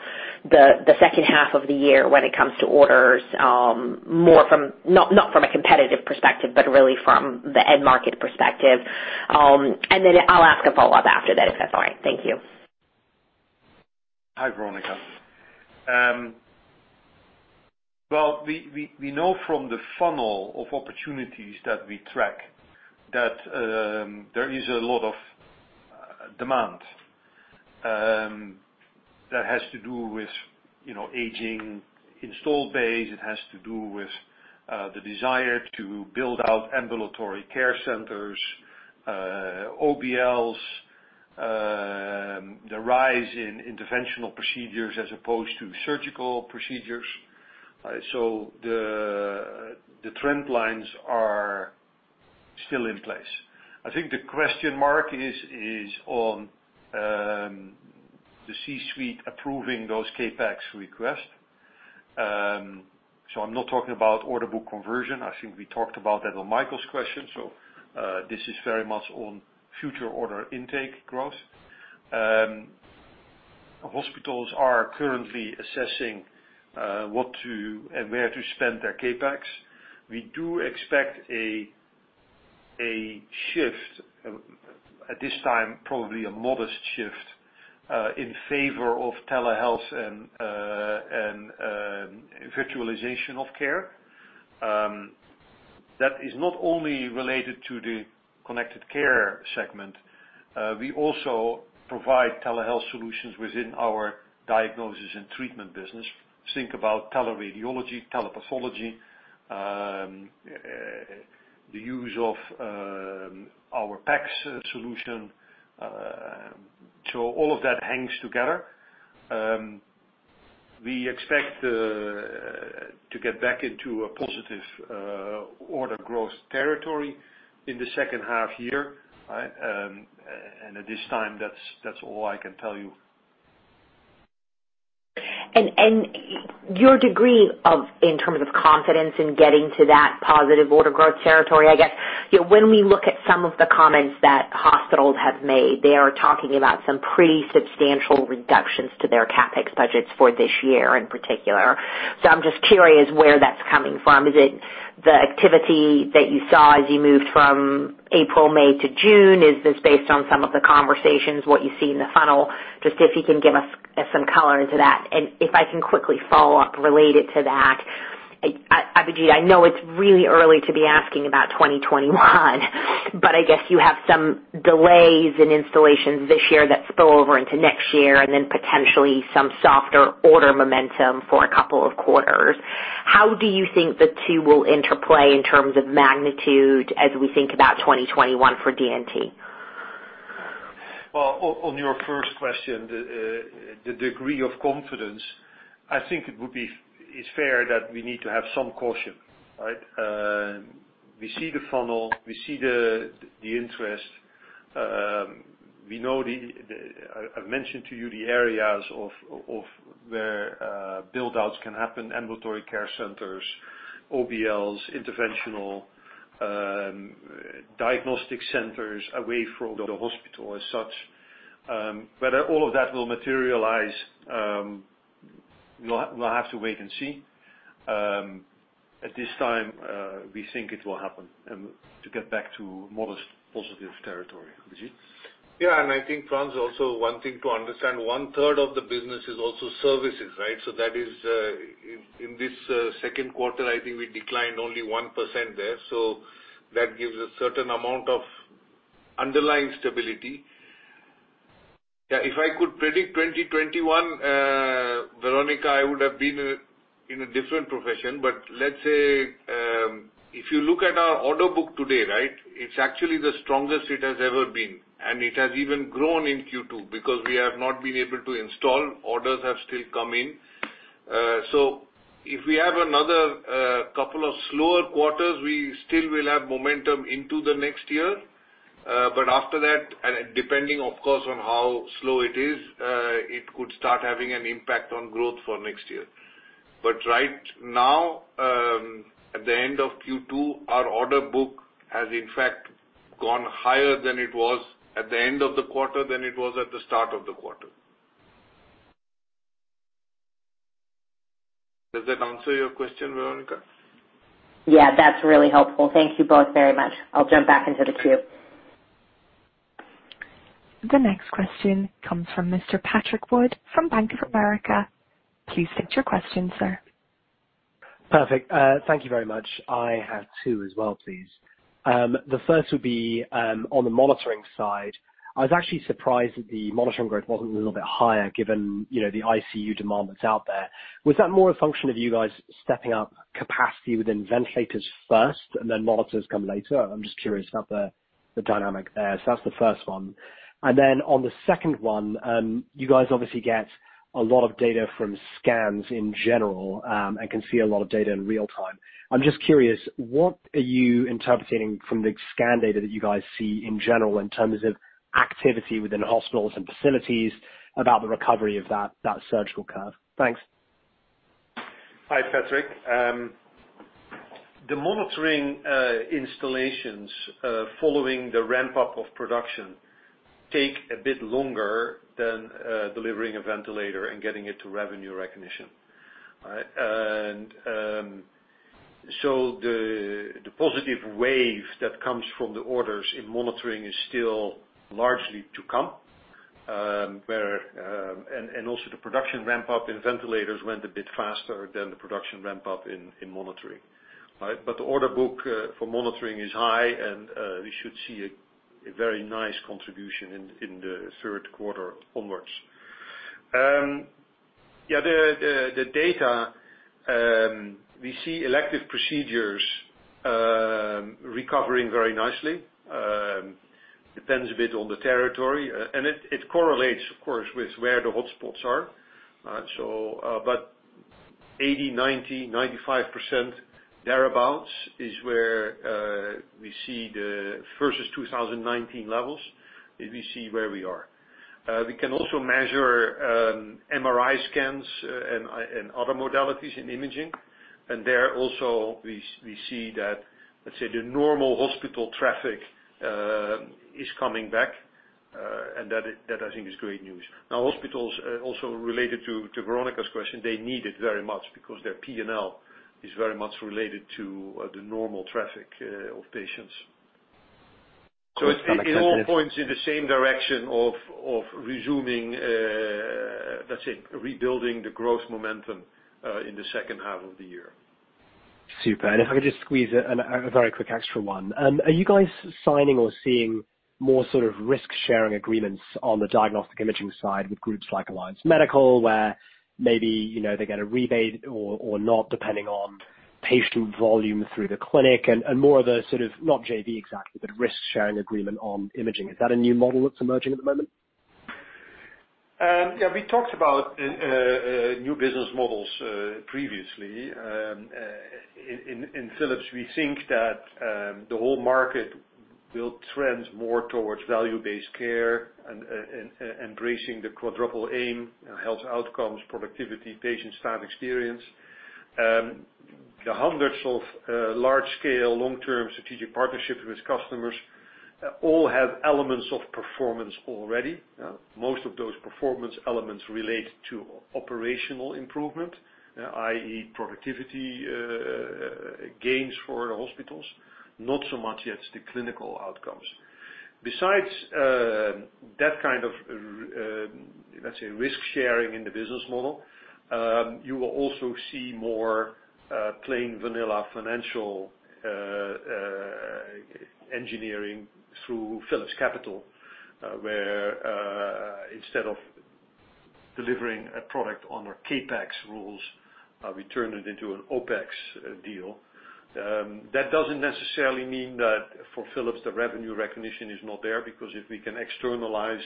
the second half of the year when it comes to orders, not from a competitive perspective, but really from the end market perspective. Then I'll ask a follow-up after that, if that's all right. Thank you. Hi, Veronika. Well, we know from the funnel of opportunities that we track that there is a lot of demand. That has to do with aging, installed base. It has to do with the desire to build out ambulatory care centers, OBLs, the rise in interventional procedures as opposed to surgical procedures. The trend lines are still in place. I think the question mark is on the C-suite approving those CapEx requests. I'm not talking about order book conversion. I think we talked about that on Michael's question. This is very much on future order intake growth. Hospitals are currently assessing what to and where to spend their CapEx. We do expect a shift, at this time, probably a modest shift, in favor of telehealth and virtualization of care. That is not only related to the Connected Care segment. We also provide telehealth solutions within our Diagnosis & Treatment business. Think about teleradiology, telepathology, the use of our PACS solution. All of that hangs together. We expect to get back into a positive order growth territory in the second half year. At this time, that's all I can tell you. Your degree in terms of confidence in getting to that positive order growth territory, I guess, when we look at some of the comments that hospitals have made, they are talking about some pretty substantial reductions to their CapEx budgets for this year in particular. I'm just curious where that's coming from. Is it the activity that you saw as you moved from April, May to June? Is this based on some of the conversations, what you see in the funnel? Just if you can give us some color into that. If I can quickly follow up related to that. Abhijit, I know it's really early to be asking about 2021, but I guess you have some delays in installations this year that spill over into next year and then potentially some softer order momentum for a couple of quarters. How do you think the two will interplay in terms of magnitude as we think about 2021 for D&T? Well, on your first question, the degree of confidence, I think it's fair that we need to have some caution, right? We see the funnel, we see the interest. I mentioned to you the areas of where build-outs can happen, ambulatory care centers, OBLs, interventional diagnostic centers away from the hospital as such. Whether all of that will materialize, we'll have to wait and see. At this time, we think it will happen, to get back to modest positive territory. Abhijit? I think, Frans, also one thing to understand, one-third of the business is also services, right? That is, in this second quarter, I think we declined only 1% there. That gives a certain amount of underlying stability. If I could predict 2021, Veronika, I would have been in a different profession. Let's say, if you look at our order book today, right, it's actually the strongest it has ever been. It has even grown in Q2 because we have not been able to install. Orders have still come in. If we have another couple of slower quarters, we still will have momentum into the next year. After that, and depending, of course, on how slow it is, it could start having an impact on growth for next year. Right now, at the end of Q2, our order book has in fact gone higher than it was at the end of the quarter than it was at the start of the quarter. Does that answer your question, Veronika? Yeah, that's really helpful. Thank you both very much. I'll jump back into the queue. The next question comes from Mr. Patrick Wood from Bank of America. Please state your question, sir. Perfect. Thank you very much. I have two as well, please. The first would be, on the monitoring side, I was actually surprised that the monitoring growth wasn't a little bit higher given the ICU demand that's out there. Was that more a function of you guys stepping up capacity within ventilators first and then monitors come later? I'm just curious about the dynamic there. That's the first one. Then on the second one, you guys obviously get a lot of data from scans in general, and can see a lot of data in real time. I'm just curious, what are you interpreting from the scan data that you guys see in general in terms of activity within hospitals and facilities about the recovery of that surgical curve? Thanks. Hi, Patrick. The monitoring installations following the ramp-up of production take a bit longer than delivering a ventilator and getting it to revenue recognition. So the positive wave that comes from the orders in monitoring is still largely to come. Also the production ramp-up in ventilators went a bit faster than the production ramp-up in monitoring. The order book for monitoring is high and we should see a very nice contribution in the third quarter onwards. Yeah, the data, we see elective procedures recovering very nicely. Depends a bit on the territory. It correlates of course, with where the hotspots are. 80%, 90%, 95% thereabout is where we see the versus 2019 levels, is we see where we are. We can also measure MRI scans and other modalities in imaging. There also, we see that, let's say, the normal hospital traffic is coming back, and that I think is great news. Now, hospitals, also related to Veronika's question, they need it very much because their P&L is very much related to the normal traffic of patients. It all points in the same direction of resuming, let's say, rebuilding the growth momentum, in the second half of the year. Super. If I could just squeeze in a very quick extra one. Are you guys signing or seeing more sort of risk-sharing agreements on the diagnostic imaging side with groups like Alliance Medical, where maybe, they get a rebate or not, depending on patient volume through the clinic and, more of the sort of, not JV exactly, but risk-sharing agreement on imaging. Is that a new model that's emerging at the moment? Yeah, we talked about new business models previously. In Philips, we think that the whole market will trend more towards value-based care and embracing the quadruple aim in health outcomes, productivity, patient staff experience. The hundreds of large-scale, long-term strategic partnerships with customers, all have elements of performance already. Most of those performance elements relate to operational improvement, i.e., productivity gains for the hospitals, not so much yet the clinical outcomes. Besides that kind of, let's say, risk-sharing in the business model, you will also see more plain vanilla financial engineering through Philips Capital, where, instead of delivering a product on our CapEx rules, we turn it into an OpEx deal. That doesn't necessarily mean that for Philips, the revenue recognition is not there because if we can externalize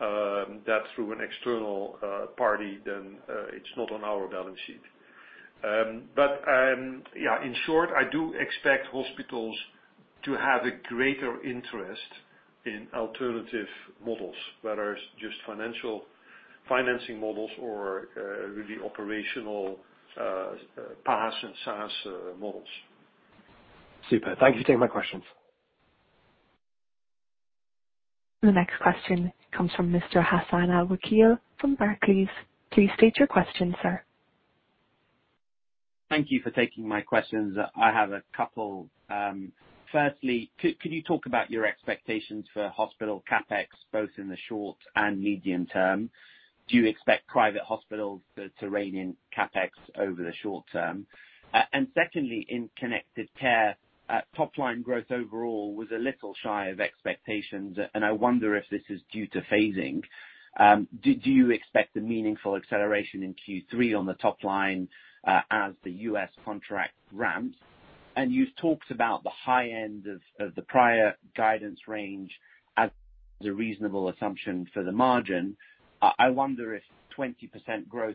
that through an external party, then it's not on our balance sheet. Yeah, in short, I do expect hospitals to have a greater interest in alternative models, whether it's just financing models or really operational PaaS and SaaS models. Super. Thank you for taking my questions. The next question comes from Mr. Hassan Al-Wakeel from Barclays. Please state your question, sir. Thank you for taking my questions. I have a couple. Firstly, could you talk about your expectations for hospital CapEx, both in the short and medium term? Do you expect private hospitals to rein in CapEx over the short term? Secondly, in connected care, top line growth overall was a little shy of expectations, and I wonder if this is due to phasing. Do you expect a meaningful acceleration in Q3 on the top line, as the U.S. contract ramps? You've talked about the high end of the prior guidance range as a reasonable assumption for the margin. I wonder if 20% growth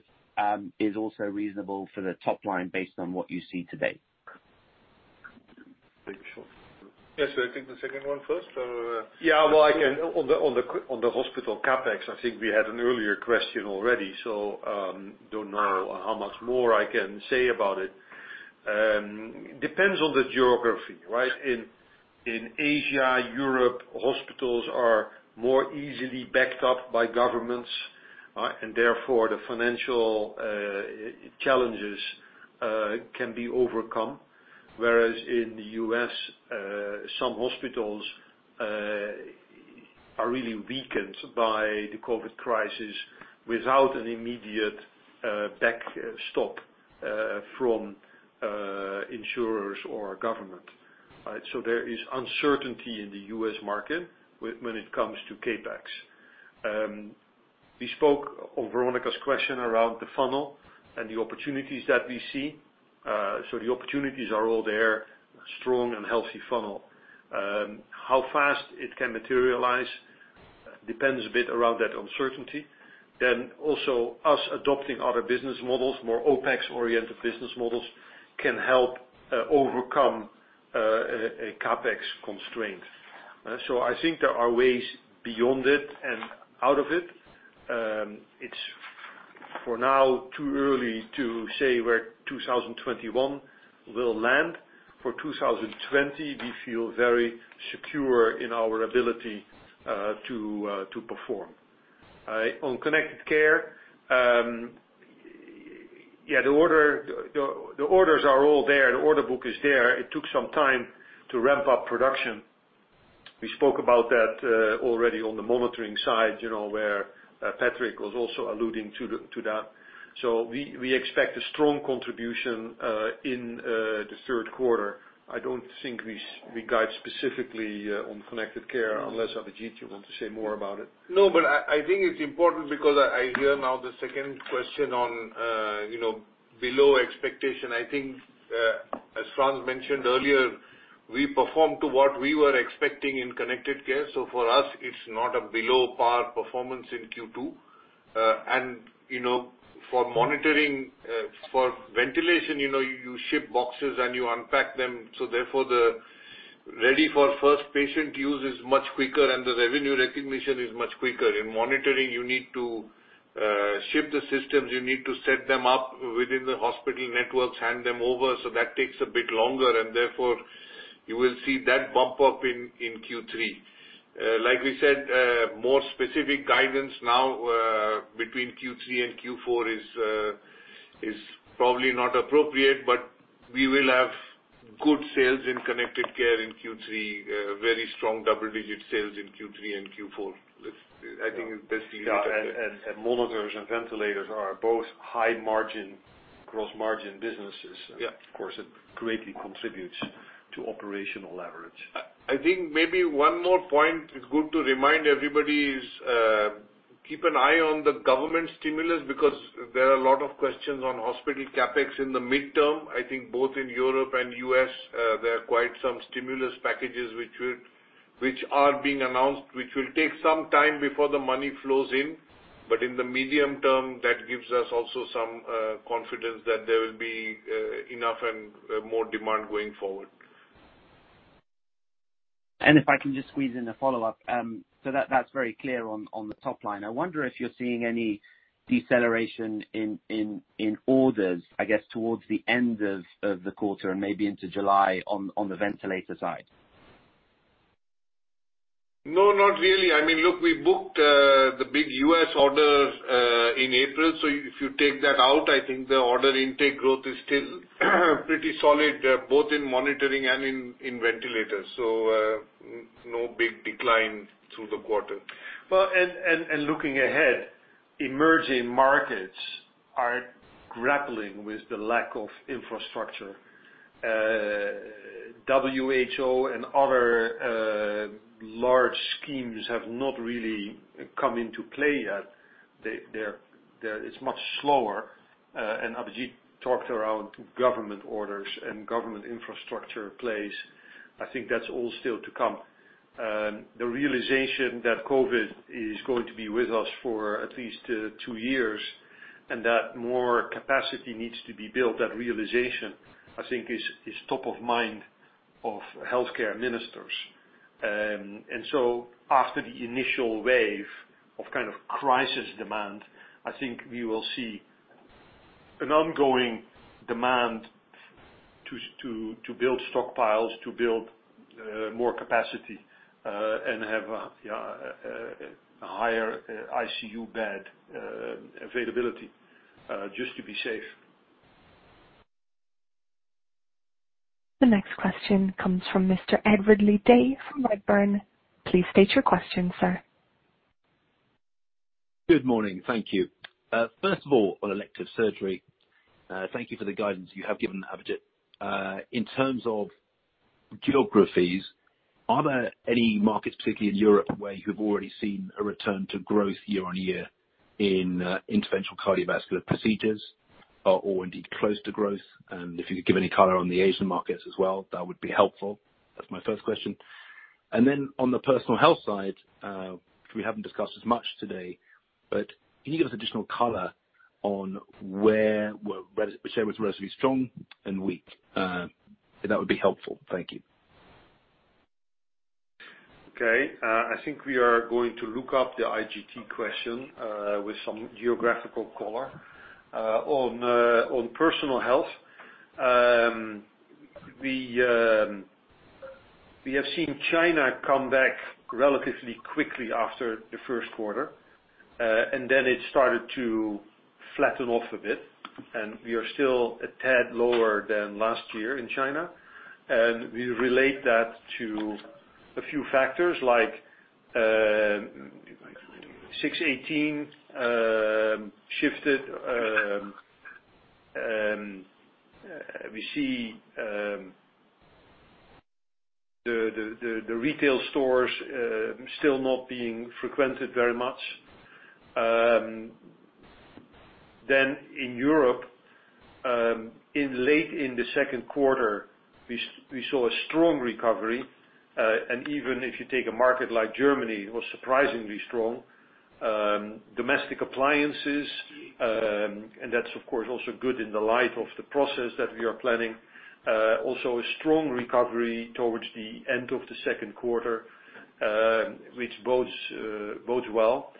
is also reasonable for the top line based on what you see today. I think the second one first? Yeah. Again, on the hospital CapEx, I think we had an earlier question already, so, I don't know how much more I can say about it. It depends on the geography, right? In Asia, Europe, hospitals are more easily backed up by governments, and therefore, the financial challenges can be overcome. Whereas in the U.S., some hospitals are really weakened by the COVID crisis without an immediate backstop from insurers or government. There is uncertainty in the U.S. market when it comes to CapEx. We spoke on Veronika's question around the funnel and the opportunities that we see. The opportunities are all there. A strong and healthy funnel. How fast it can materialize depends a bit around that uncertainty. Also us adopting other business models, more OpEx-oriented business models, can help overcome a CapEx constraint. I think there are ways beyond it and out of it. It's, for now, too early to say where 2021 will land. For 2020, we feel very secure in our ability to perform. On connected care, the orders are all there. The order book is there. It took some time to ramp up production. We spoke about that already on the monitoring side, where Patrick was also alluding to that. We expect a strong contribution in the third quarter. I don't think we guide specifically on connected care, unless Abhijit, you want to say more about it. No, I think it's important because I hear now the second question on below expectation. I think, as Frans mentioned earlier, we performed to what we were expecting in Connected Care. For us, it's not a below-par performance in Q2. For ventilation, you ship boxes, and you unpack them, so therefore, the ready for first patient use is much quicker, and the revenue recognition is much quicker. In monitoring, you need to ship the systems, you need to set them up within the hospital networks, hand them over. That takes a bit longer, and therefore, you will see that bump up in Q3. Like we said, more specific guidance now between Q3 and Q4 is probably not appropriate, we will have good sales in Connected Care in Q3, very strong double-digit sales in Q3 and Q4. I think it's best to leave it at that. Yeah. Monitors and ventilators are both high gross margin businesses. Yeah. Of course, it greatly contributes to operational leverage. I think maybe one more point it's good to remind everybody is, keep an eye on the government stimulus because there are a lot of questions on hospital CapEx in the mid-term. I think both in Europe and U.S., there are quite some stimulus packages which are being announced, which will take some time before the money flows in. In the medium term, that gives us also some confidence that there will be enough and more demand going forward. If I can just squeeze in a follow-up. That's very clear on the top line. I wonder if you're seeing any deceleration in orders, I guess, towards the end of the quarter and maybe into July on the ventilator side. No, not really. Look, we booked the big U.S. order in April. If you take that out, I think the order intake growth is still pretty solid, both in monitoring and in ventilators. No big decline through the quarter. Looking ahead, emerging markets are grappling with the lack of infrastructure. WHO and other large schemes have not really come into play yet. It's much slower, and Abhijit talked around government orders and government infrastructure plays. I think that's all still to come. The realization that COVID is going to be with us for at least two years, and that more capacity needs to be built, that realization, I think, is top of mind of healthcare ministers. After the initial wave of crisis demand, I think we will see an ongoing demand to build stockpiles, to build more capacity, and have a higher ICU bed availability, just to be safe. The next question comes from Mr. Ed Leigh-Day from Redburn. Please state your question, sir. Good morning. Thank you. First of all, on elective surgery, thank you for the guidance you have given, Abhijit. In terms of geographies, are there any markets, particularly in Europe, where you've already seen a return to growth year on year in interventional cardiovascular procedures or indeed close to growth? If you could give any color on the Asian markets as well, that would be helpful. That's my first question. On the personal health side, which we haven't discussed as much today, but can you give us additional color on where was relatively strong and weak? That would be helpful. Thank you. Okay. I think we are going to look up the IGT question with some geographical color. On Personal Health, we have seen China come back relatively quickly after the first quarter. Then it started to flatten off a bit. We are still a tad lower than last year in China. We relate that to a few factors, like 618 shifted. We see the retail stores still not being frequented very much. In Europe, late in the second quarter, we saw a strong recovery. Even if you take a market like Germany, it was surprisingly strong. Domestic Appliances, that's of course, also good in the light of the process that we are planning. Also a strong recovery towards the end of the second quarter, which bodes well.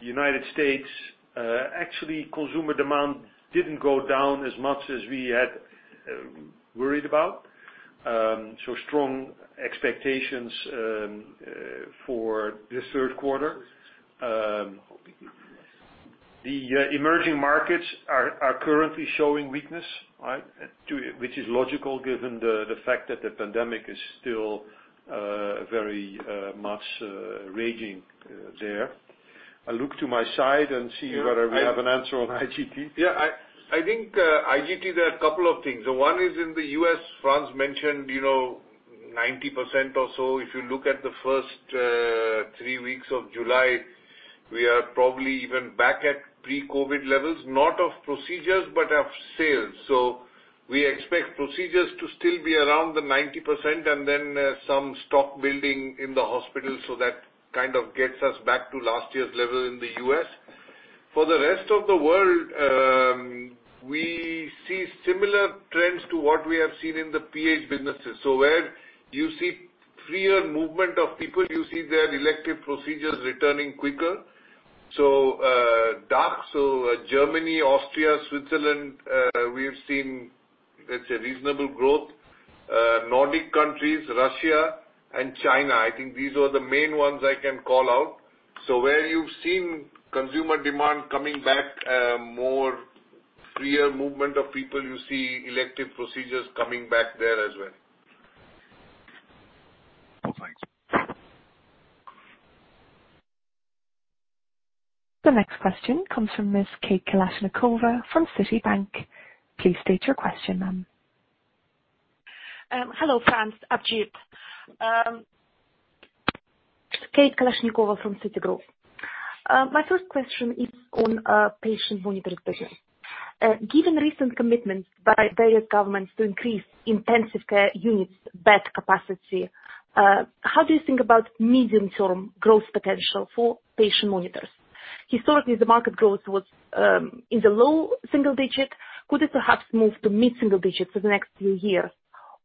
United States, actually, consumer demand didn't go down as much as we had worried about. Strong expectations for this third quarter. The emerging markets are currently showing weakness. Which is logical given the fact that the pandemic is still very much raging there. I look to my side and see whether we have an answer on IGT. I think IGT, there are a couple of things. One is in the U.S., Frans mentioned 90% or so. If you look at the first three weeks of July, we are probably even back at pre-COVID levels, not of procedures, but of sales. We expect procedures to still be around the 90% and then some stock building in the hospital. That kind of gets us back to last year's level in the U.S. For the rest of the world, we see similar trends to what we have seen in the PH businesses. Where you see freer movement of people, you see their elective procedures returning quicker. DACH, so Germany, Austria, Switzerland, we have seen, let's say reasonable growth. Nordic countries, Russia and China. I think these are the main ones I can call out. Where you've seen consumer demand coming back, more freer movement of people, you see elective procedures coming back there as well. Thanks. The next question comes from Miss Kate Kalashnikova from Citibank. Please state your question, ma'am. Hello, Frans, Abhijit. Kate Kalashnikova from Citigroup. My first question is on patient monitoring business. Given recent commitments by various governments to increase intensive care units, bed capacity, how do you think about medium-term growth potential for patient monitors? Historically, the market growth was in the low single digit. Could it perhaps move to mid-single digits for the next few years?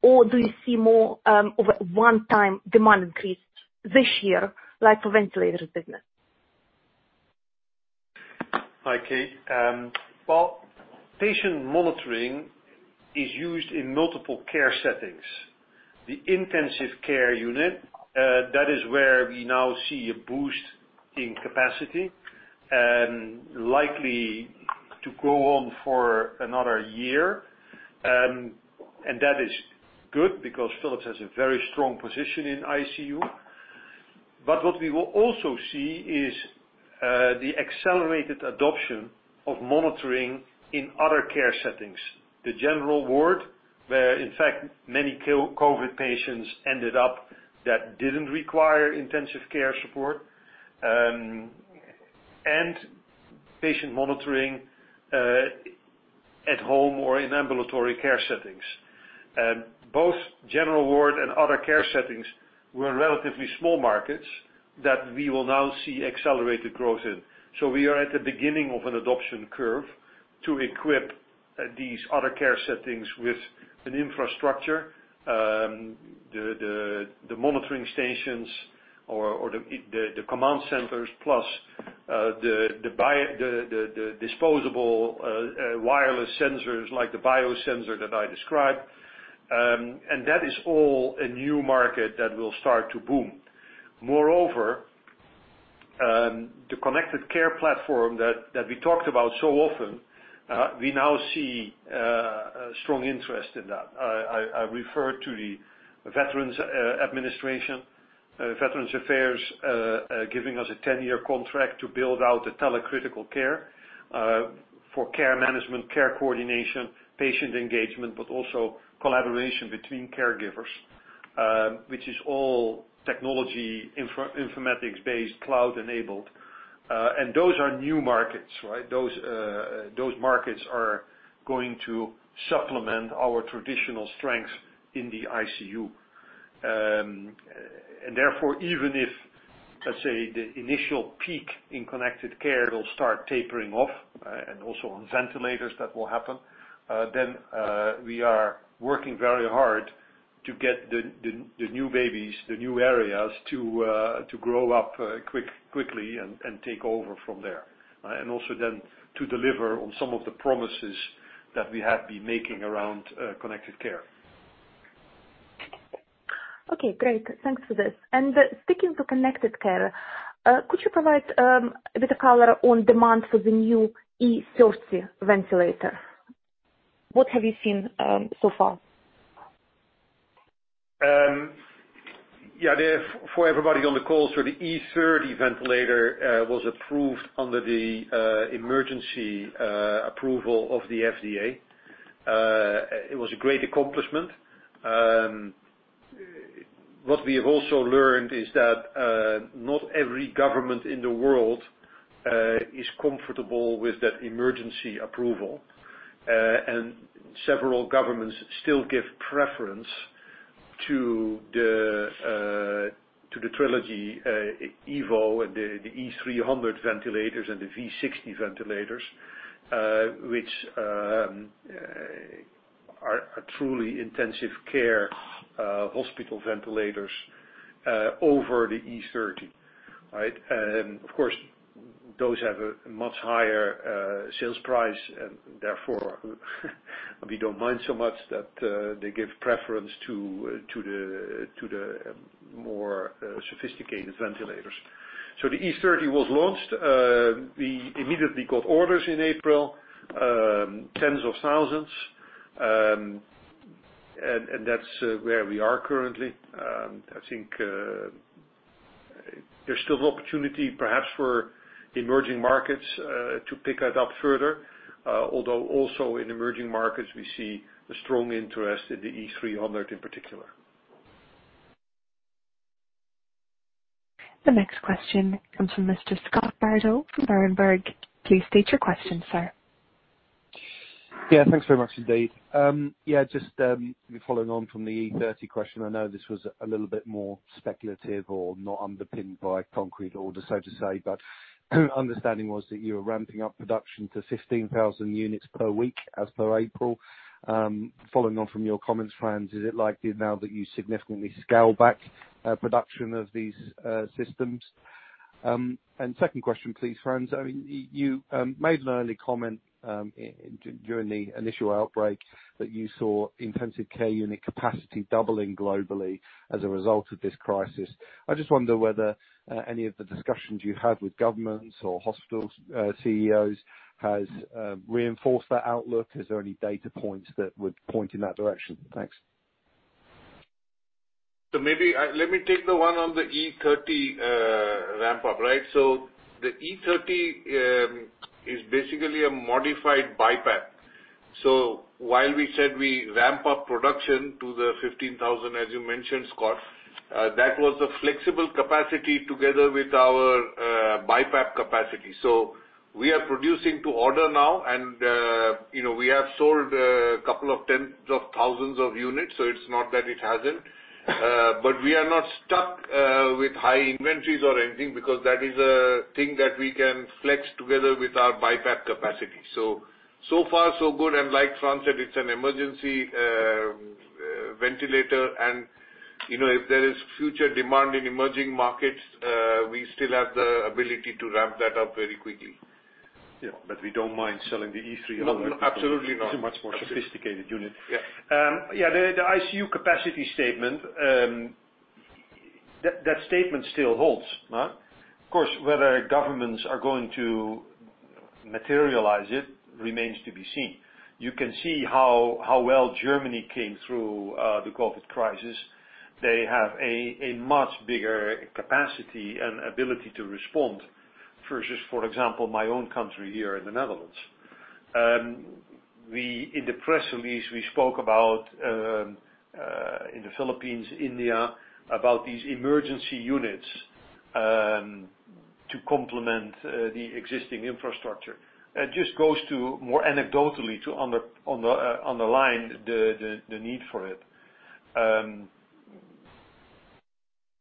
Or do you see more of a one-time demand increase this year, like for ventilators business? Hi, Kate. Well, patient monitoring is used in multiple care settings. The intensive care unit, that is where we now see a boost in capacity and likely to go on for another year. That is good because Philips has a very strong position in ICU. What we will also see is the accelerated adoption of monitoring in other care settings. The general ward, where in fact many COVID patients ended up that didn't require intensive care support, and patient monitoring at home or in ambulatory care settings. Both general ward and other care settings were relatively small markets that we will now see accelerated growth in. We are at the beginning of an adoption curve to equip these other care settings with an infrastructure. The monitoring stations or the command centers plus the disposable wireless sensors like the biosensor that I described. That is all a new market that will start to boom. Moreover, the connected care platform that we talked about so often, we now see strong interest in that. I refer to the Veterans Administration, Veterans Affairs, giving us a 10-year contract to build out a telecritical care for care management, care coordination, patient engagement, but also collaboration between caregivers which is all technology, informatics-based, cloud enabled. Those are new markets. Those markets are going to supplement our traditional strengths in the ICU. Therefore, even if, let's say, the initial peak in connected care will start tapering off, and also on ventilators, that will happen, then we are working very hard to get the new babies, the new areas, to grow up quickly and take over from there. Also then to deliver on some of the promises that we have been making around connected care. Okay, great. Thanks for this. Speaking to connected care, could you provide a bit of color on demand for the new E30 ventilator? What have you seen so far? For everybody on the call, the E30 ventilator was approved under the emergency approval of the FDA. It was a great accomplishment. What we have also learned is that not every government in the world is comfortable with that emergency approval. Several governments still give preference to the Trilogy Evo and the E300 ventilators and the V60 ventilators, which are truly intensive care hospital ventilators, over the E30. Right. Of course, those have a much higher sales price, and therefore, we don't mind so much that they give preference to the more sophisticated ventilators. The E30 was launched. We immediately got orders in April, tens of thousands. That's where we are currently. I think there's still an opportunity, perhaps, for emerging markets to pick that up further. Although also in emerging markets, we see a strong interest in the E300 in particular. The next question comes from Mr. Scott Bardo from Berenberg. Please state your question, sir. Yeah, thanks very much indeed. Yeah, just following on from the E30 question, I know this was a little bit more speculative or not underpinned by concrete orders, so to say, but understanding was that you were ramping up production to 15,000 units per week as per April. Following on from your comments, Frans, is it likely now that you significantly scale back production of these systems? Second question, please, Frans. You made an early comment during the initial outbreak that you saw intensive care unit capacity doubling globally as a result of this crisis. I just wonder whether any of the discussions you had with governments or hospital CEOs has reinforced that outlook. Is there any data points that would point in that direction? Thanks. Maybe, let me take the one on the E30 ramp up, right? The E30 is basically a modified BiPAP. While we said we ramp up production to the 15,000, as you mentioned, Scott, that was a flexible capacity together with our BiPAP capacity. We are producing to order now, and we have sold a couple of tens of thousands of units, so it's not that it hasn't. We are not stuck with high inventories or anything because that is a thing that we can flex together with our BiPAP capacity. So far so good, and like Frans said, it's an emergency ventilator and if there is future demand in emerging markets, we still have the ability to ramp that up very quickly. Yeah, we don't mind selling the E300. No, absolutely not. It's a much more sophisticated unit. Yeah. Yeah, the ICU capacity statement. That statement still holds. Of course, whether governments are going to materialize it remains to be seen. You can see how well Germany came through the COVID crisis. They have a much bigger capacity and ability to respond versus, for example, my own country here in the Netherlands. In the press release, we spoke about, in the Philippines, India, about these emergency units to complement the existing infrastructure. It just goes to, more anecdotally, to underline the need for it.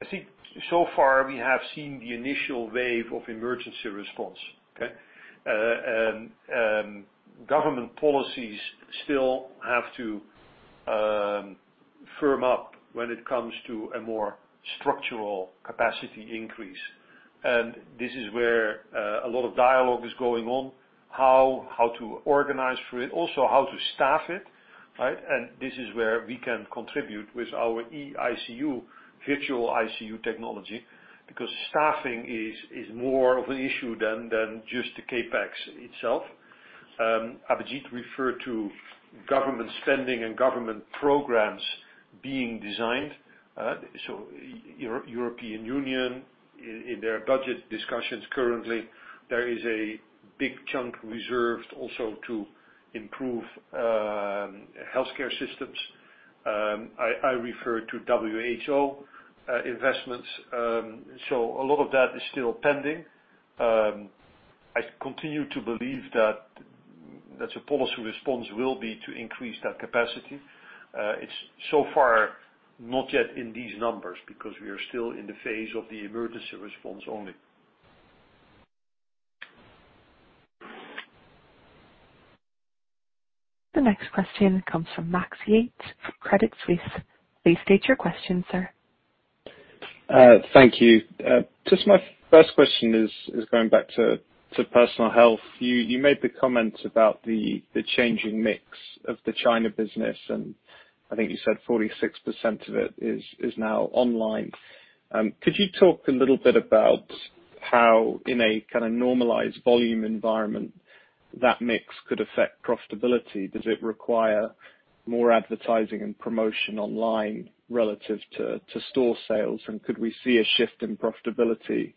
I think so far we have seen the initial wave of emergency response, okay? Government policies still have to firm up when it comes to a more structural capacity increase. This is where a lot of dialogue is going on, how to organize for it, also how to staff it, right? This is where we can contribute with our eICU, virtual ICU technology, because staffing is more of an issue than just the CapEx itself. Abhijit referred to government spending and government programs being designed. European Union, in their budget discussions currently, there is a big chunk reserved also to improve healthcare systems. I refer to WHO investments. A lot of that is still pending. I continue to believe that that's a policy response will be to increase that capacity. It's so far not yet in these numbers because we are still in the phase of the emergency response only. The next question comes from Max Yates from Credit Suisse. Please state your question, sir. Thank you. Just my first question is going back to Personal Health. You made the comment about the changing mix of the China business, and I think you said 46% of it is now online. Could you talk a little bit about how, in a kind of normalized volume environment, that mix could affect profitability? Does it require more advertising and promotion online relative to store sales? Could we see a shift in profitability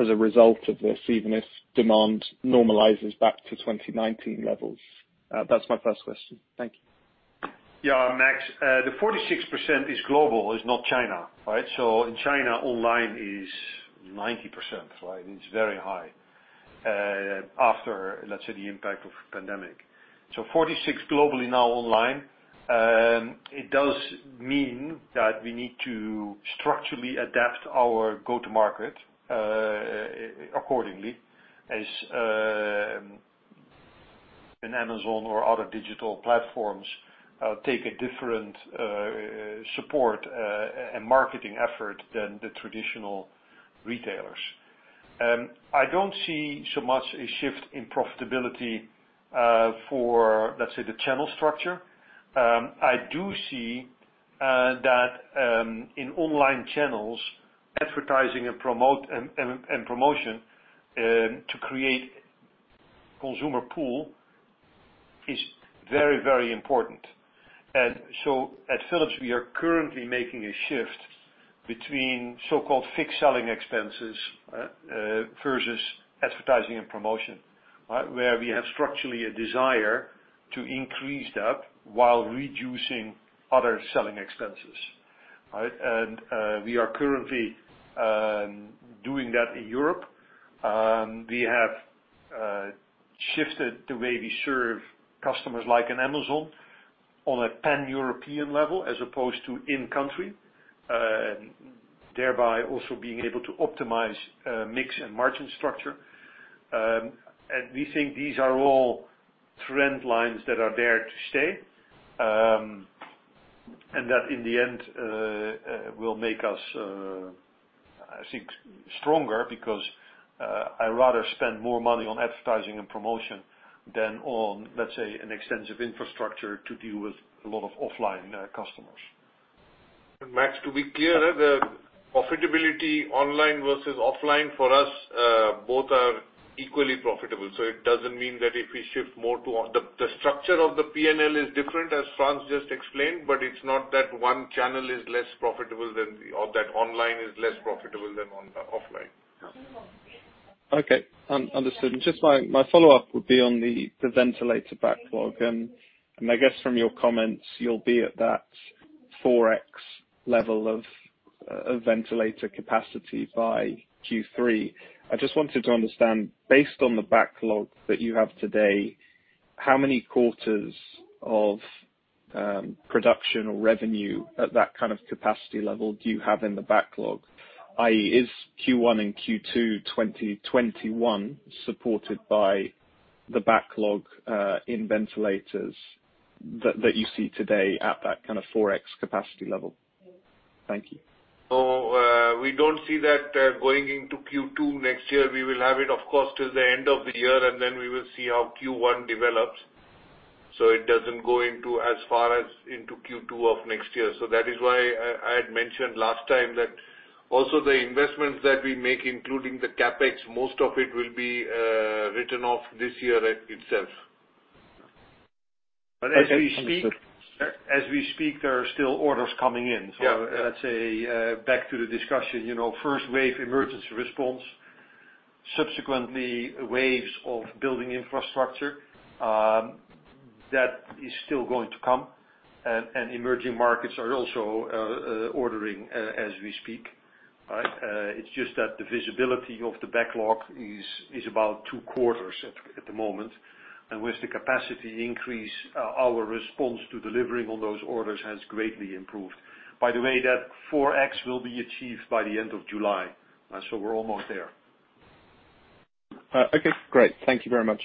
as a result of this, even if demand normalizes back to 2019 levels? That's my first question. Thank you. Yeah. Max, the 46% is global, is not China. In China, online is 90%. It's very high after, let's say, the impact of pandemic. 46 globally now online, it does mean that we need to structurally adapt our go-to market accordingly, as in Amazon or other digital platforms take a different support and marketing effort than the traditional retailers. I don't see so much a shift in profitability for, let's say, the channel structure. I do see that in online channels, advertising and promotion to create consumer pool is very, very important. At Philips, we are currently making a shift between so-called fixed selling expenses versus advertising and promotion. Where we have structurally a desire to increase that while reducing other selling expenses. We are currently doing that in Europe. We have shifted the way we serve customers like in Amazon on a pan-European level as opposed to in country, thereby also being able to optimize mix and margin structure. We think these are all trend lines that are there to stay, and that in the end will make us, I think, stronger because I rather spend more money on advertising and promotion than on, let's say, an extensive infrastructure to deal with a lot of offline customers. Max, to be clear, the profitability online versus offline for us, both are equally profitable. The structure of the P&L is different, as Frans just explained, but it's not that one channel is less profitable or that online is less profitable than offline. Okay, understood. Just my follow-up would be on the ventilator backlog. I guess from your comments, you'll be at that 4x level of ventilator capacity by Q3. I just wanted to understand, based on the backlog that you have today, how many quarters of production or revenue at that kind of capacity level do you have in the backlog? i.e. is Q1 and Q2 2021 supported by the backlog in ventilators that you see today at that kind of 4x capacity level? Thank you. We don't see that going into Q2 next year. We will have it, of course, till the end of the year, and then we will see how Q1 develops. It doesn't go into as far as into Q2 of next year. That is why I had mentioned last time that also the investments that we make, including the CapEx, most of it will be written off this year itself. As we speak, there are still orders coming in. Yeah. Let's say, back to the discussion, first wave emergency response, subsequently, waves of building infrastructure, that is still going to come. Emerging markets are also ordering as we speak. It's just that the visibility of the backlog is about two quarters at the moment. With the capacity increase, our response to delivering on those orders has greatly improved. By the way, that 4X will be achieved by the end of July. We're almost there. Okay, great. Thank you very much.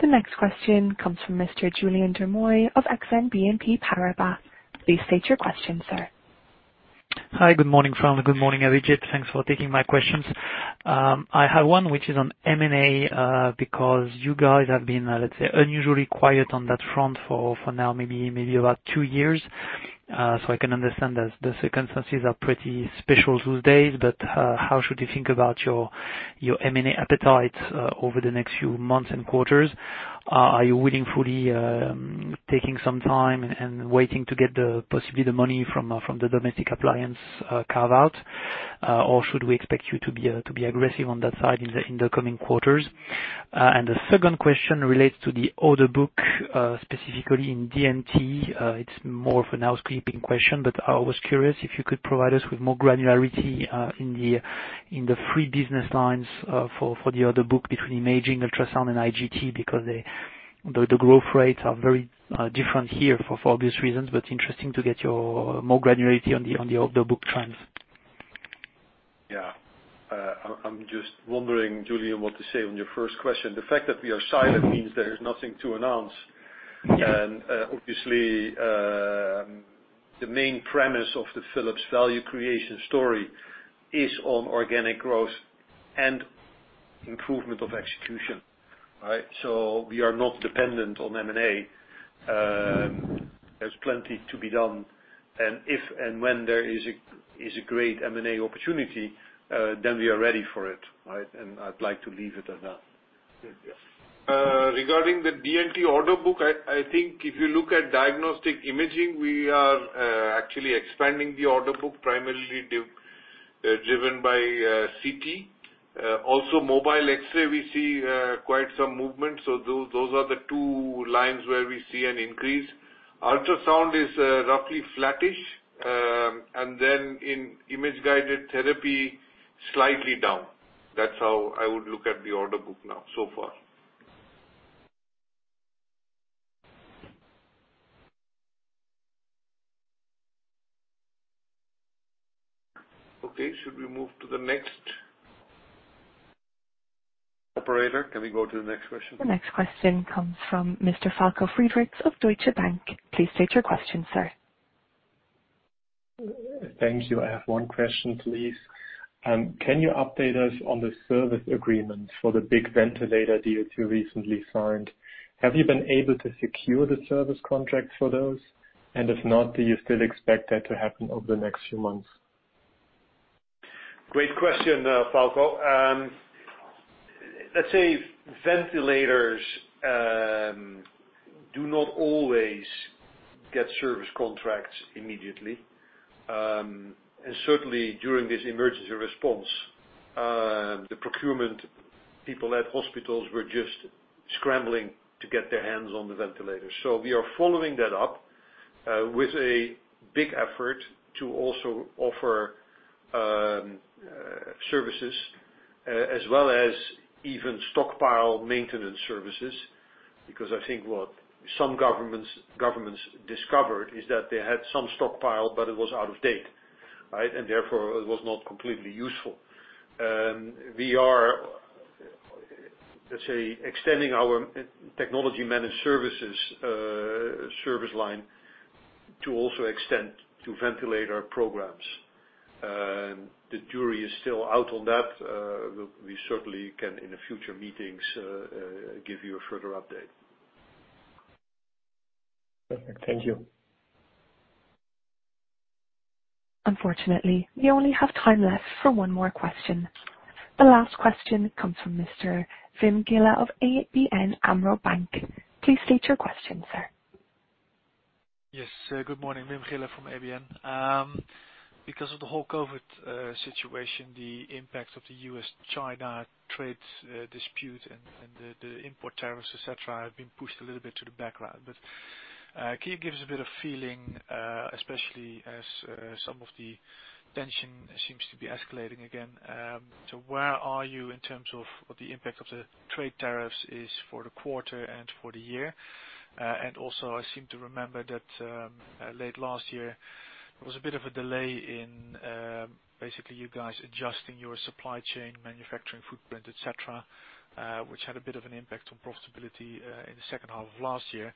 The next question comes from Mr. Julien Dormois of Exane BNP Paribas. Please state your question, sir. Hi, good morning, Frans, and good morning, Abhijit. Thanks for taking my questions. I have one which is on M&A. You guys have been, let's say, unusually quiet on that front for now, maybe about 2 years. I can understand that the circumstances are pretty special these days, but how should you think about your M&A appetite over the next few months and quarters? Should we expect you to be aggressive on that side in the coming quarters? The second question relates to the order book, specifically in D&T. It's more of an housekeeping question. I was curious if you could provide us with more granularity in the three business lines for the order book between imaging, ultrasound, and IGT. The growth rates are very different here for obvious reasons. Interesting to get more granularity on the order book trends. Yeah. I'm just wondering, Julien, what to say on your first question. The fact that we are silent means there is nothing to announce. Yeah. Obviously, the main premise of the Philips value creation story is on organic growth and improvement of execution. We are not dependent on M&A. There is plenty to be done, and if and when there is a great M&A opportunity, then we are ready for it. I would like to leave it at that. Yes. Regarding the D&T order book, I think if you look at diagnostic imaging, we are actually expanding the order book primarily driven by CT. Mobile X-ray, we see quite some movement. Those are the two lines where we see an increase. Ultrasound is roughly flattish. In image-guided therapy, slightly down. That's how I would look at the order book now so far. Okay, should we move to the next? Operator, can we go to the next question? The next question comes from Mr. Falko Friedrichs of Deutsche Bank. Please state your question, sir. Thank you. I have one question, please. Can you update us on the service agreement for the big ventilator deal you recently signed? Have you been able to secure the service contract for those? If not, do you still expect that to happen over the next few months? Great question, Falko. Let's say ventilators do not always get service contracts immediately. Certainly, during this emergency response, the procurement people at hospitals were just scrambling to get their hands on the ventilators. We are following that up with a big effort to also offer services, as well as even stockpile maintenance services, because I think what some governments discovered is that they had some stockpile, but it was out of date, and therefore, it was not completely useful. We are, let's say, extending our technology-managed services service line to also extend to ventilator programs. The jury is still out on that. We certainly can, in the future meetings, give you a further update. Perfect. Thank you. Unfortunately, we only have time left for one more question. The last question comes from Mr. Wim Gille of ABN AMRO Bank. Please state your question, sir. Yes. Good morning. Wim Gille from ABN. Because of the whole COVID situation, the impact of the U.S.-China trade dispute and the import tariffs, et cetera, have been pushed a little bit to the background. Can you give us a bit of feeling, especially as some of the tension seems to be escalating again. Where are you in terms of what the impact of the trade tariffs is for the quarter and for the year? Also, I seem to remember that late last year, there was a bit of a delay in basically you guys adjusting your supply chain, manufacturing footprint, et cetera, which had a bit of an impact on profitability in the second half of last year.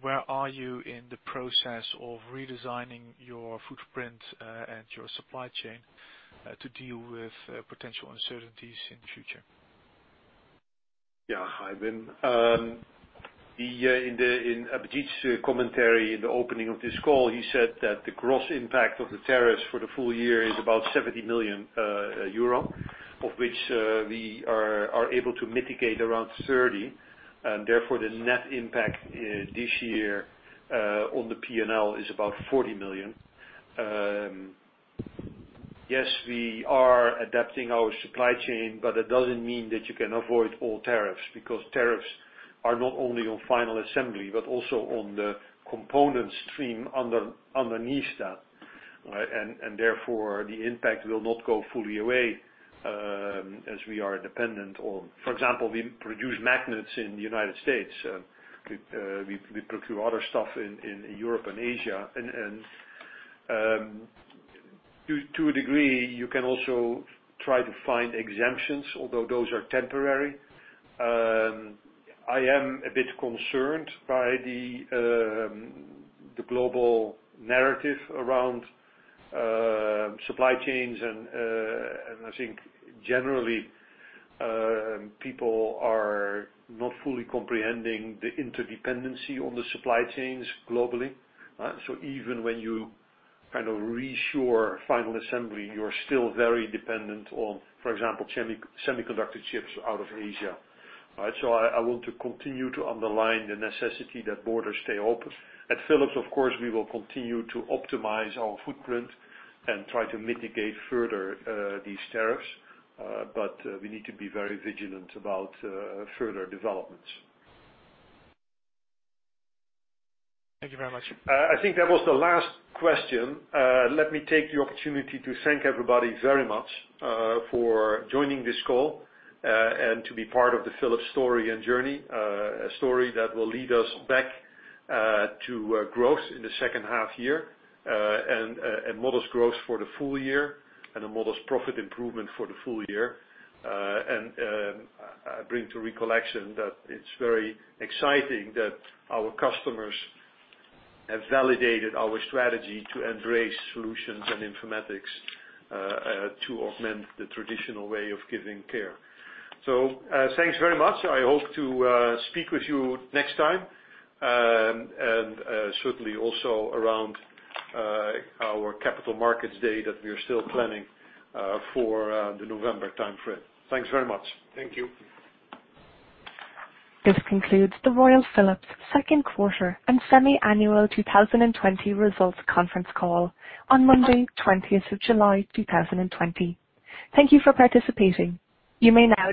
Where are you in the process of redesigning your footprint and your supply chain to deal with potential uncertainties in the future? Yeah. Hi, Wim. In Abhijit's commentary in the opening of this call, he said that the gross impact of the tariffs for the full year is about 70 million euro, of which we are able to mitigate around 30. Therefore, the net impact this year on the P&L is about 40 million. Yes, we are adapting our supply chain, That doesn't mean that you can avoid all tariffs, because tariffs are not only on final assembly, but also on the component stream underneath that. Therefore, the impact will not go fully away, as we are dependent on, for example, we produce magnets in the U.S. We procure other stuff in Europe and Asia. To a degree, you can also try to find exemptions, although those are temporary. I am a bit concerned by the global narrative around supply chains. I think generally, people are not fully comprehending the interdependency on the supply chains globally. Even when you kind of reshore final assembly, you're still very dependent on, for example, semiconductor chips out of Asia. I want to continue to underline the necessity that borders stay open. At Philips, of course, we will continue to optimize our footprint and try to mitigate further these tariffs. We need to be very vigilant about further developments. Thank you very much. I think that was the last question. Let me take the opportunity to thank everybody very much for joining this call, and to be part of the Philips story and journey. A story that will lead us back to growth in the second half year, and modest growth for the full year, and a modest profit improvement for the full year. I bring to recollection that it's very exciting that our customers have validated our strategy to embrace solutions and informatics to augment the traditional way of giving care. Thanks very much. I hope to speak with you next time. Certainly also around our Capital Markets Day that we are still planning for the November timeframe. Thanks very much. Thank you. This concludes the Royal Philips second quarter and semi-annual 2020 results conference call on Monday, 20th of July, 2020. Thank you for participating. You may now disconnect.